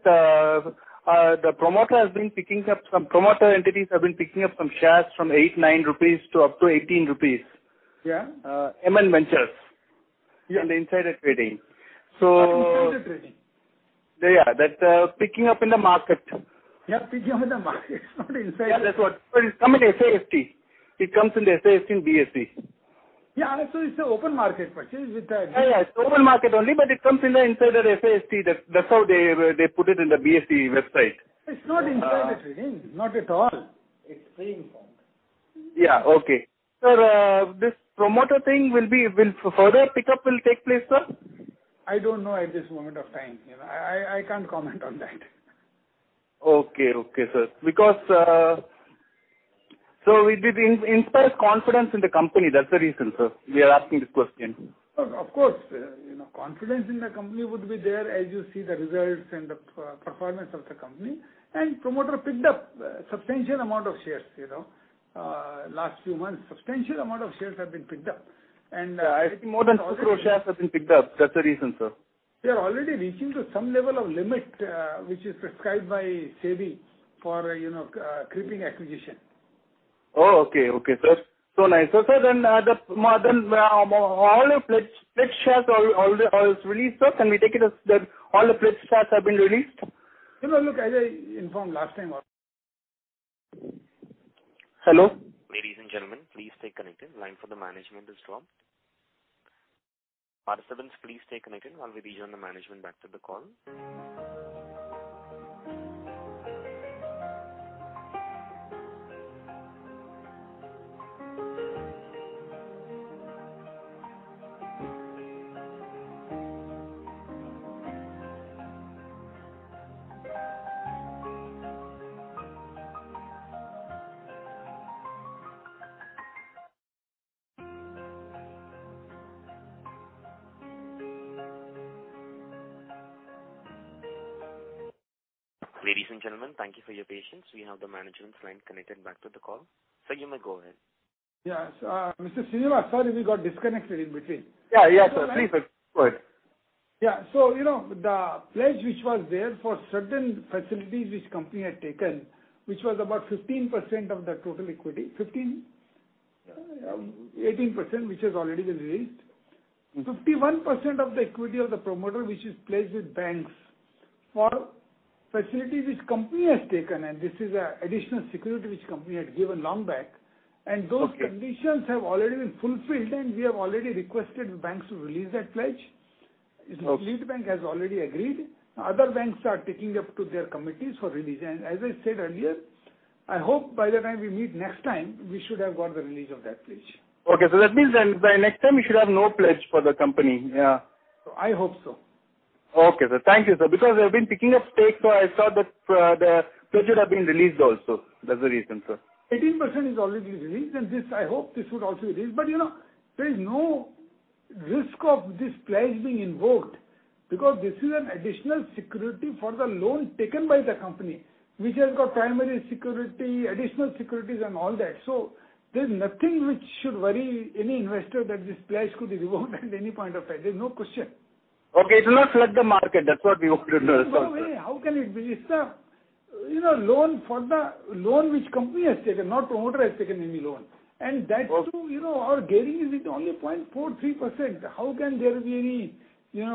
some promoter entities have been picking up some shares from 8, 9 rupees to up to 18 rupees. Yeah. MN Ventures. Yeah. On the insider trading. On insider trading? Yeah. That picking up in the market. Picking up in the market, it's not insider trading. Yeah, that's what. It comes in SAST. It comes in the SAST in BSE. Yeah, it's an open market purchase with the. Yeah. It's open market only, but it comes in the insider SAST. That's how they put it in the BSE website. It's not insider trading. Not at all. It's pre-informed. Yeah. Okay. Sir, this promoter thing, will further pickup will take place, sir? I don't know at this moment of time. I can't comment on that. Okay. Okay, sir. It inspires confidence in the company. That's the reason, sir, we are asking this question. Of course. Confidence in the company would be there as you see the results and the performance of the company. Promoter picked up substantial amount of shares. Last few months, substantial amount of shares have been picked up. I think more than 2 crore shares have been picked up. That's the reason, sir. We are already reaching to some level of limit, which is prescribed by SEBI for creeping acquisition. Okay. Okay, sir. Nice. Sir, all your pledged shares are released, sir? Can we take it as all the pledged shares have been released? No, look, as I informed last time. Hello? Ladies and gentlemen, please stay connected. Line for the management has dropped. Participants, please stay connected while we rejoin the management back to the call. Ladies and gentlemen, thank you for your patience. We have the management's line connected back to the call. Sir, you may go ahead. Yes. Mr. Srinivas, sorry we got disconnected in between. Yeah. Sir, please go ahead. Yeah. The pledge which was there for certain facilities which company had taken, which was about 15% of the total equity, 18%, which has already been released. 51% of the equity of the promoter which is pledged with banks for facility which company has taken, and this is additional security which company had given long back. Those conditions have already been fulfilled, and we have already requested banks to release that pledge. Okay. Lead bank has already agreed. Other banks are taking up to their committees for release. As I said earlier, I hope by the time we meet next time, we should have got the release of that pledge. Okay. That means then by next time you should have no pledge for the company, yeah. I hope so. Okay, sir. Thank you, sir. Because they've been picking up stakes, so I saw that the pledge had been released also. That's the reason, sir. 18% is already released, and this, I hope this would also release. There is no risk of this pledge being invoked because this is an additional security for the loan taken by the company, which has got primary security, additional securities and all that. There's nothing which should worry any investor that this pledge could be revoked at any point of time. There's no question. Okay. It will not flood the market. That's what we wanted to know, sir. No way. How can it be? It's the loan which company has taken, not promoter has taken any loan. That too, our gearing is only 0.43%. How can there be any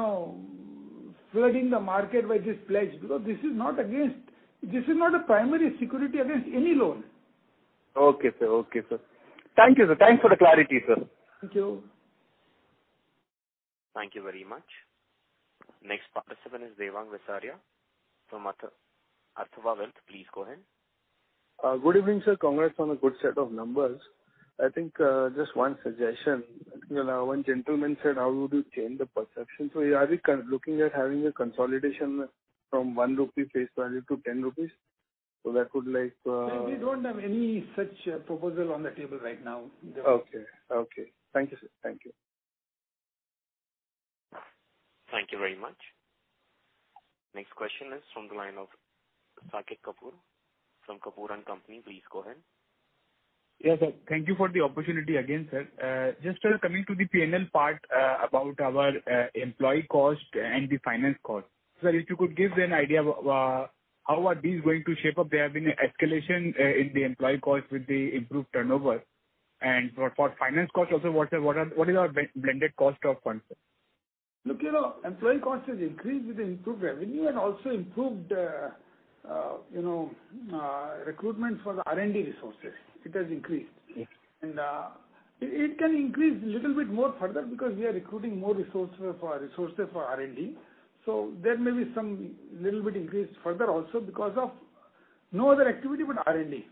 flooding the market by this pledge? This is not a primary security against any loan. Okay, sir. Thank you, sir. Thanks for the clarity, sir. Thank you. Thank you very much. Next participant is Devang Visaria from Atharva Wealth. Please go ahead. Good evening, sir. Congrats on a good set of numbers. I think, just one suggestion. One gentleman said, how would you change the perception? Are we looking at having a consolidation from 1 rupee face value to 10 rupees? No, we don't have any such proposal on the table right now, Devang. Okay. Thank you, sir. Thank you. Thank you very much. Next question is from the line of Saket Kapoor from Kapoor & Company. Please go ahead. Yes, sir. Thank you for the opportunity again, sir. Just coming to the P&L part, about our employee cost and the finance cost. Sir, if you could give an idea of how are these going to shape up? There have been an escalation in the employee cost with the improved turnover. For finance cost also, what is our blended cost of funds, sir? Look, employee cost has increased with the improved revenue and also improved recruitment for the R&D resources. It has increased. Yes. It can increase little bit more further because we are recruiting more resources for R&D. There may be some little bit increase further also because of no other activity but R&D.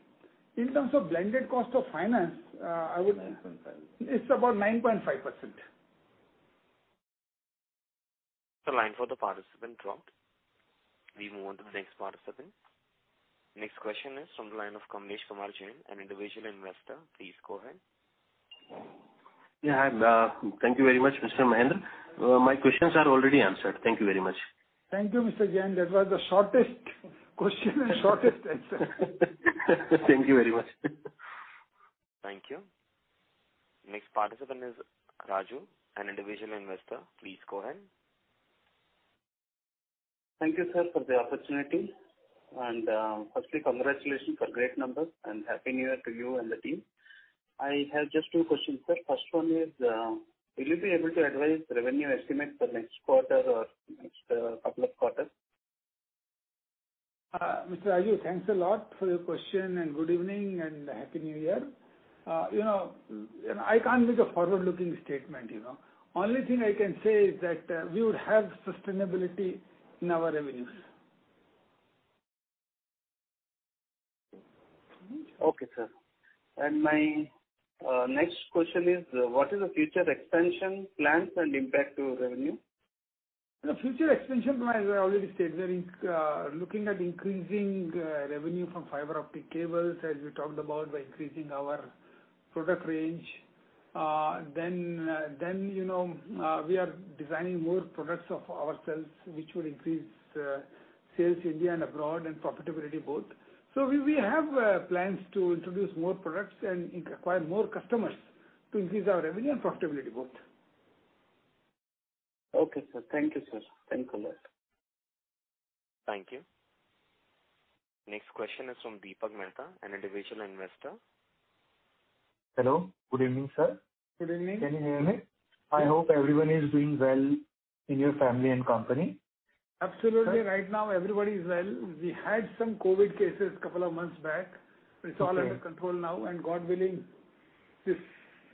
In terms of blended cost of finance, I would say it's about 9.5%. The line for the participant dropped. We move on to the next participant. Next question is from the line of Kamlesh Kumar Jain, an individual investor. Please go ahead. Yeah, hi. Thank you very much, Mr. Mahendra. My questions are already answered. Thank you very much. Thank you, Mr. Jain. That was the shortest question and shortest answer. Thank you very much. Thank you. Next participant is Raju, an individual investor. Please go ahead. Thank you, sir, for the opportunity. Firstly, congratulations for great numbers and Happy New Year to you and the team. I have just two questions, sir. First one is, will you be able to advise revenue estimate for next quarter or next couple of quarters? Mr. Raju, thanks a lot for your question, and good evening, and Happy New Year. I can't give a forward-looking statement. Only thing I can say is that we would have sustainability in our revenues. Okay, sir. What is the future expansion plans and impact to revenue? The future expansion plan, as I already stated, is looking at increasing revenue from fibre-optic cables as we talked about by increasing our product range. We are designing more products of ourselves, which will increase sales India and abroad, and profitability both. We have plans to introduce more products and acquire more customers to increase our revenue and profitability both. Okay, sir. Thank you, sir. Thanks a lot. Thank you. Next question is from Deepak Mehta, an individual investor. Hello. Good evening, sir. Good evening. Can you hear me? I hope everyone is doing well in your family and company. Absolutely. Right now, everybody is well. We had some COVID cases a couple of months back. Okay. It's all under control now, and God willing, this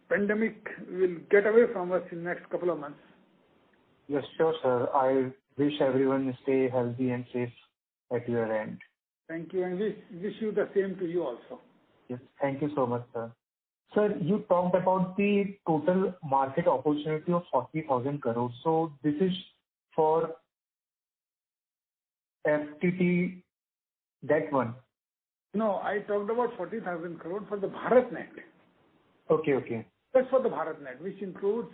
pandemic will get away from us in next couple of months. Yes, sure, sir. I wish everyone to stay healthy and safe at your end. Thank you. Wish you the same to you also. Yes. Thank you so much, sir. Sir, you talked about the total market opportunity of 40,000 crores. This is for FTTH, that one? No, I talked about 40,000 crores for the BharatNet. Okay. That's for the BharatNet, which includes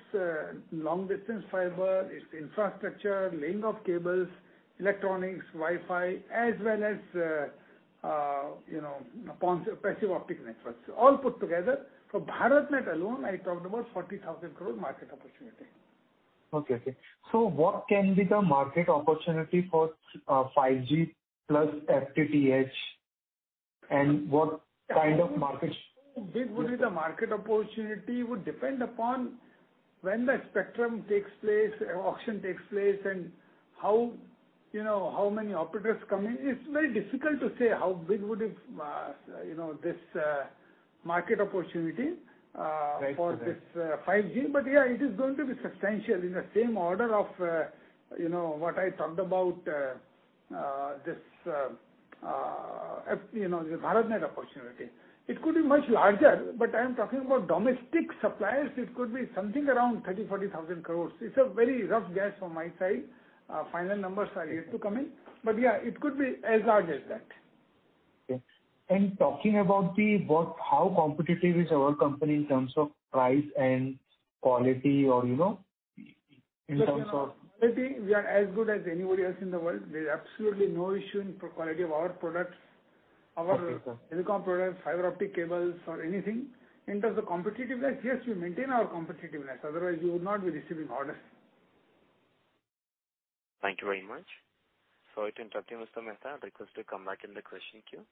long distance fiber, its infrastructure, laying of cables, electronics, Wi-Fi, as well as passive optic networks, all put together. For BharatNet alone, I talked about 40,000 crores market opportunity. Okay. What can be the market opportunity for 5G plus FTTH? How big would be the market opportunity would depend upon when the spectrum takes place, auction takes place, and how many operators come in. It's very difficult to say how big would this market opportunity be. Right for this 5G. Yeah, it is going to be substantial in the same order of what I talked about. This BharatNet opportunity. It could be much larger, but I am talking about domestic suppliers. It could be something around 30,000 crore, 40,000 crore. It's a very rough guess from my side. Final numbers are yet to come in. Yeah, it could be as large as that. Okay. Talking about how competitive is our company in terms of price and quality. We are as good as anybody else in the world. There's absolutely no issue in quality of our products. Okay. Our telecom products, fiber optic cables, or anything. In terms of competitiveness, yes, we maintain our competitiveness, otherwise we would not be receiving orders. Thank you very much. Sorry to interrupt you, Mr. Mehta. Request to come back in the question queue.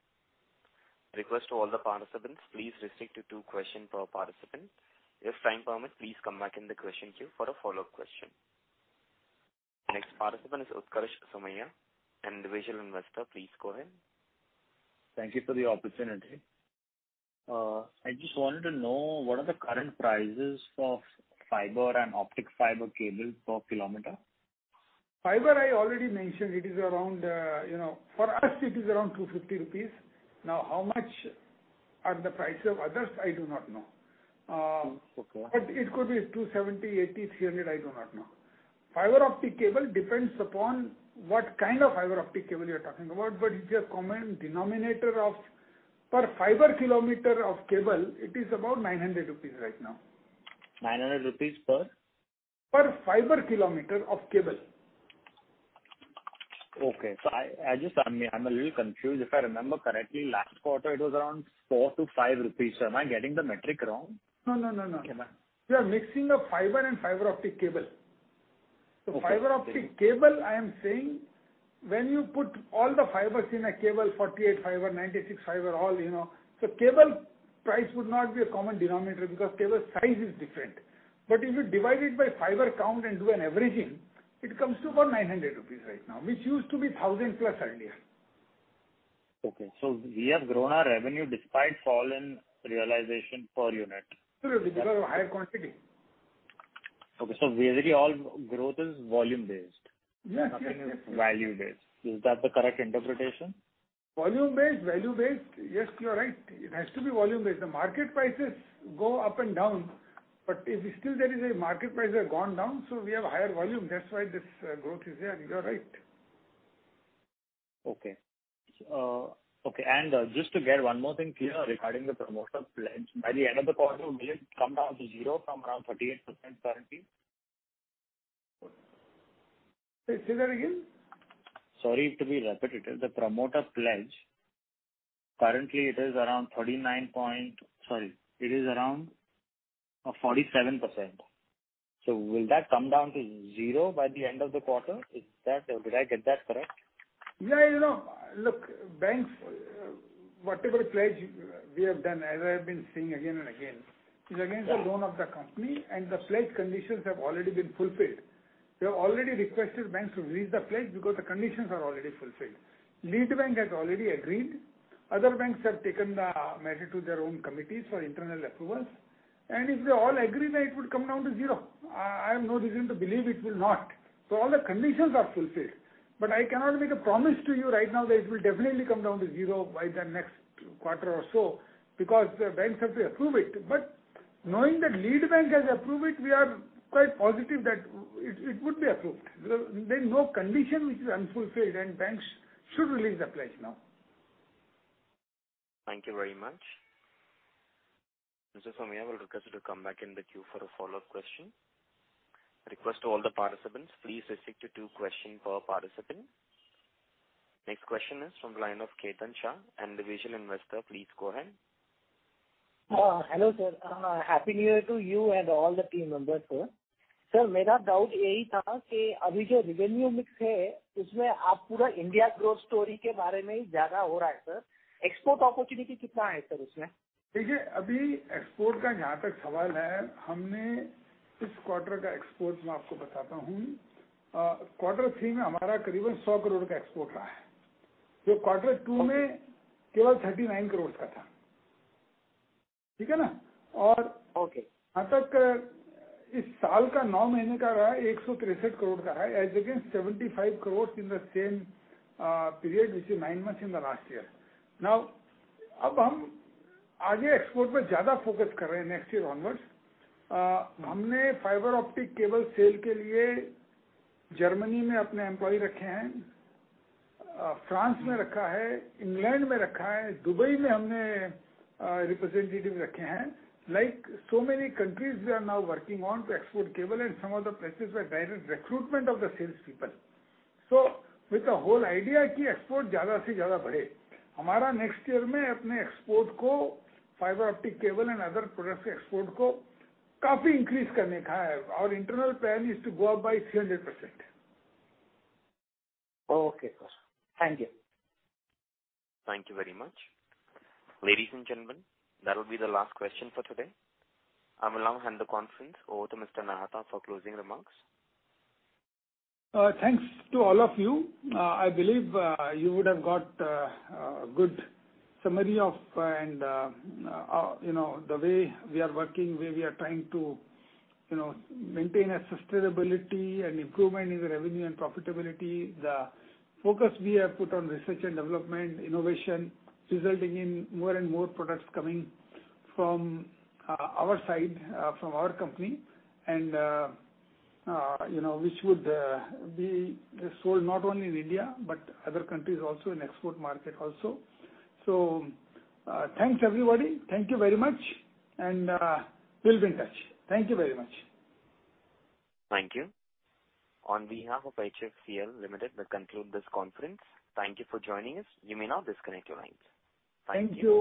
Request to all the participants, please restrict to two question per participant. If time permit, please come back in the question queue for a follow-up question. Next participant is Utkarsh Somaiya, individual investor. Please go ahead. Thank you for the opportunity. I just wanted to know what are the current prices of fiber and optic fiber cable per kilometer? Fiber, I already mentioned, for us it is around 250 rupees. How much are the price of others, I do not know. Okay. It could be 270, 80, 300, I do not know. Fiber-optic cable depends upon what kind of fiber-optic cable you're talking about, but it's a common denominator of per fiber kilometer of cable, it is about 900 rupees right now. 900 rupees per? Per fiber kilometer of cable. Okay. I'm a little confused. If I remember correctly, last quarter it was around 4-5 rupees. Am I getting the metric wrong? No. Okay. You are mixing up fiber and fiber optic cable. Okay. Fiber optic cable, I am saying, when you put all the fibers in a cable, 48 fiber, 96 fiber, all. Cable price would not be a common denominator because cable size is different. If you divide it by fiber count and do an averaging, it comes to about 900 rupees right now, which used to be thousand plus earlier. Okay. We have grown our revenue despite fall in realization per unit. Sure, because of higher quantity. Okay, basically all growth is volume-based. Yes. Nothing is value-based. Is that the correct interpretation? Volume-based, value-based. Yes, you're right. It has to be volume-based. The market prices go up and down. Still there is a market price that have gone down, so we have a higher volume. That's why this growth is there. You're right. Okay. Just to get one more thing clear regarding the promoter pledge. By the end of the quarter, will it come down to zero from around 38% currently? Say that again. Sorry to be repetitive. The promoter pledge, currently it is around 47%. Will that come down to zero by the end of the quarter? Did I get that correct? Yeah. Look, banks, whatever pledge we have done, as I have been saying again and again, is against the loan of the company, and the pledge conditions have already been fulfilled. We have already requested banks to release the pledge because the conditions are already fulfilled. Lead bank has already agreed. Other banks have taken the matter to their own committees for internal approvals. If they all agree, it would come down to zero. I have no reason to believe it will not. All the conditions are fulfilled. I cannot make a promise to you right now that it will definitely come down to zero by the next quarter or so, because the banks have to approve it. Knowing that lead bank has approved it, we are quite positive that it would be approved. There's no condition which is unfulfilled, and banks should release the pledge now. Thank you very much. Mr. Somaiya, I will request you to come back in the queue for a follow-up question. Request to all the participants, please restrict to two question per participant. Next question is from line of Ketan Shah, an individual investor. Please go ahead. Hello, sir. Happy New Year to you and all the team members, sir. Sir, revenue mix India growth story export opportunity? export quarter three INR 100 crore export. quarter two INR 39 crore. Okay. This INR 963 crore as against INR 75 crore in the same period, which is nine months in the last year. Export next year onwards. Fibre-optic cable sale Germany, employee France, England, Dubai representative. Many countries we are now working on to export cable, and some of the places we are doing recruitment of the salespeople. With the whole idea, export next year export fibre-optic cable and other products export increase. Our internal plan is to go up by 300%. Okay, sir. Thank you. Thank you very much. Ladies and gentlemen, that will be the last question for today. I will now hand the conference over to Mr. Nahata for closing remarks. Thanks to all of you. I believe you would have got a good summary of the way we are working, where we are trying to maintain a sustainability and improvement in the revenue and profitability. The focus we have put on research and development, innovation, resulting in more and more products coming from our side, from our company. Which would be sold not only in India, but other countries also in export market also. Thanks everybody. Thank you very much, and we'll be in touch. Thank you very much. Thank you. On behalf of HFCL Limited, we conclude this conference. Thank you for joining us. You may now disconnect your lines. Thank you.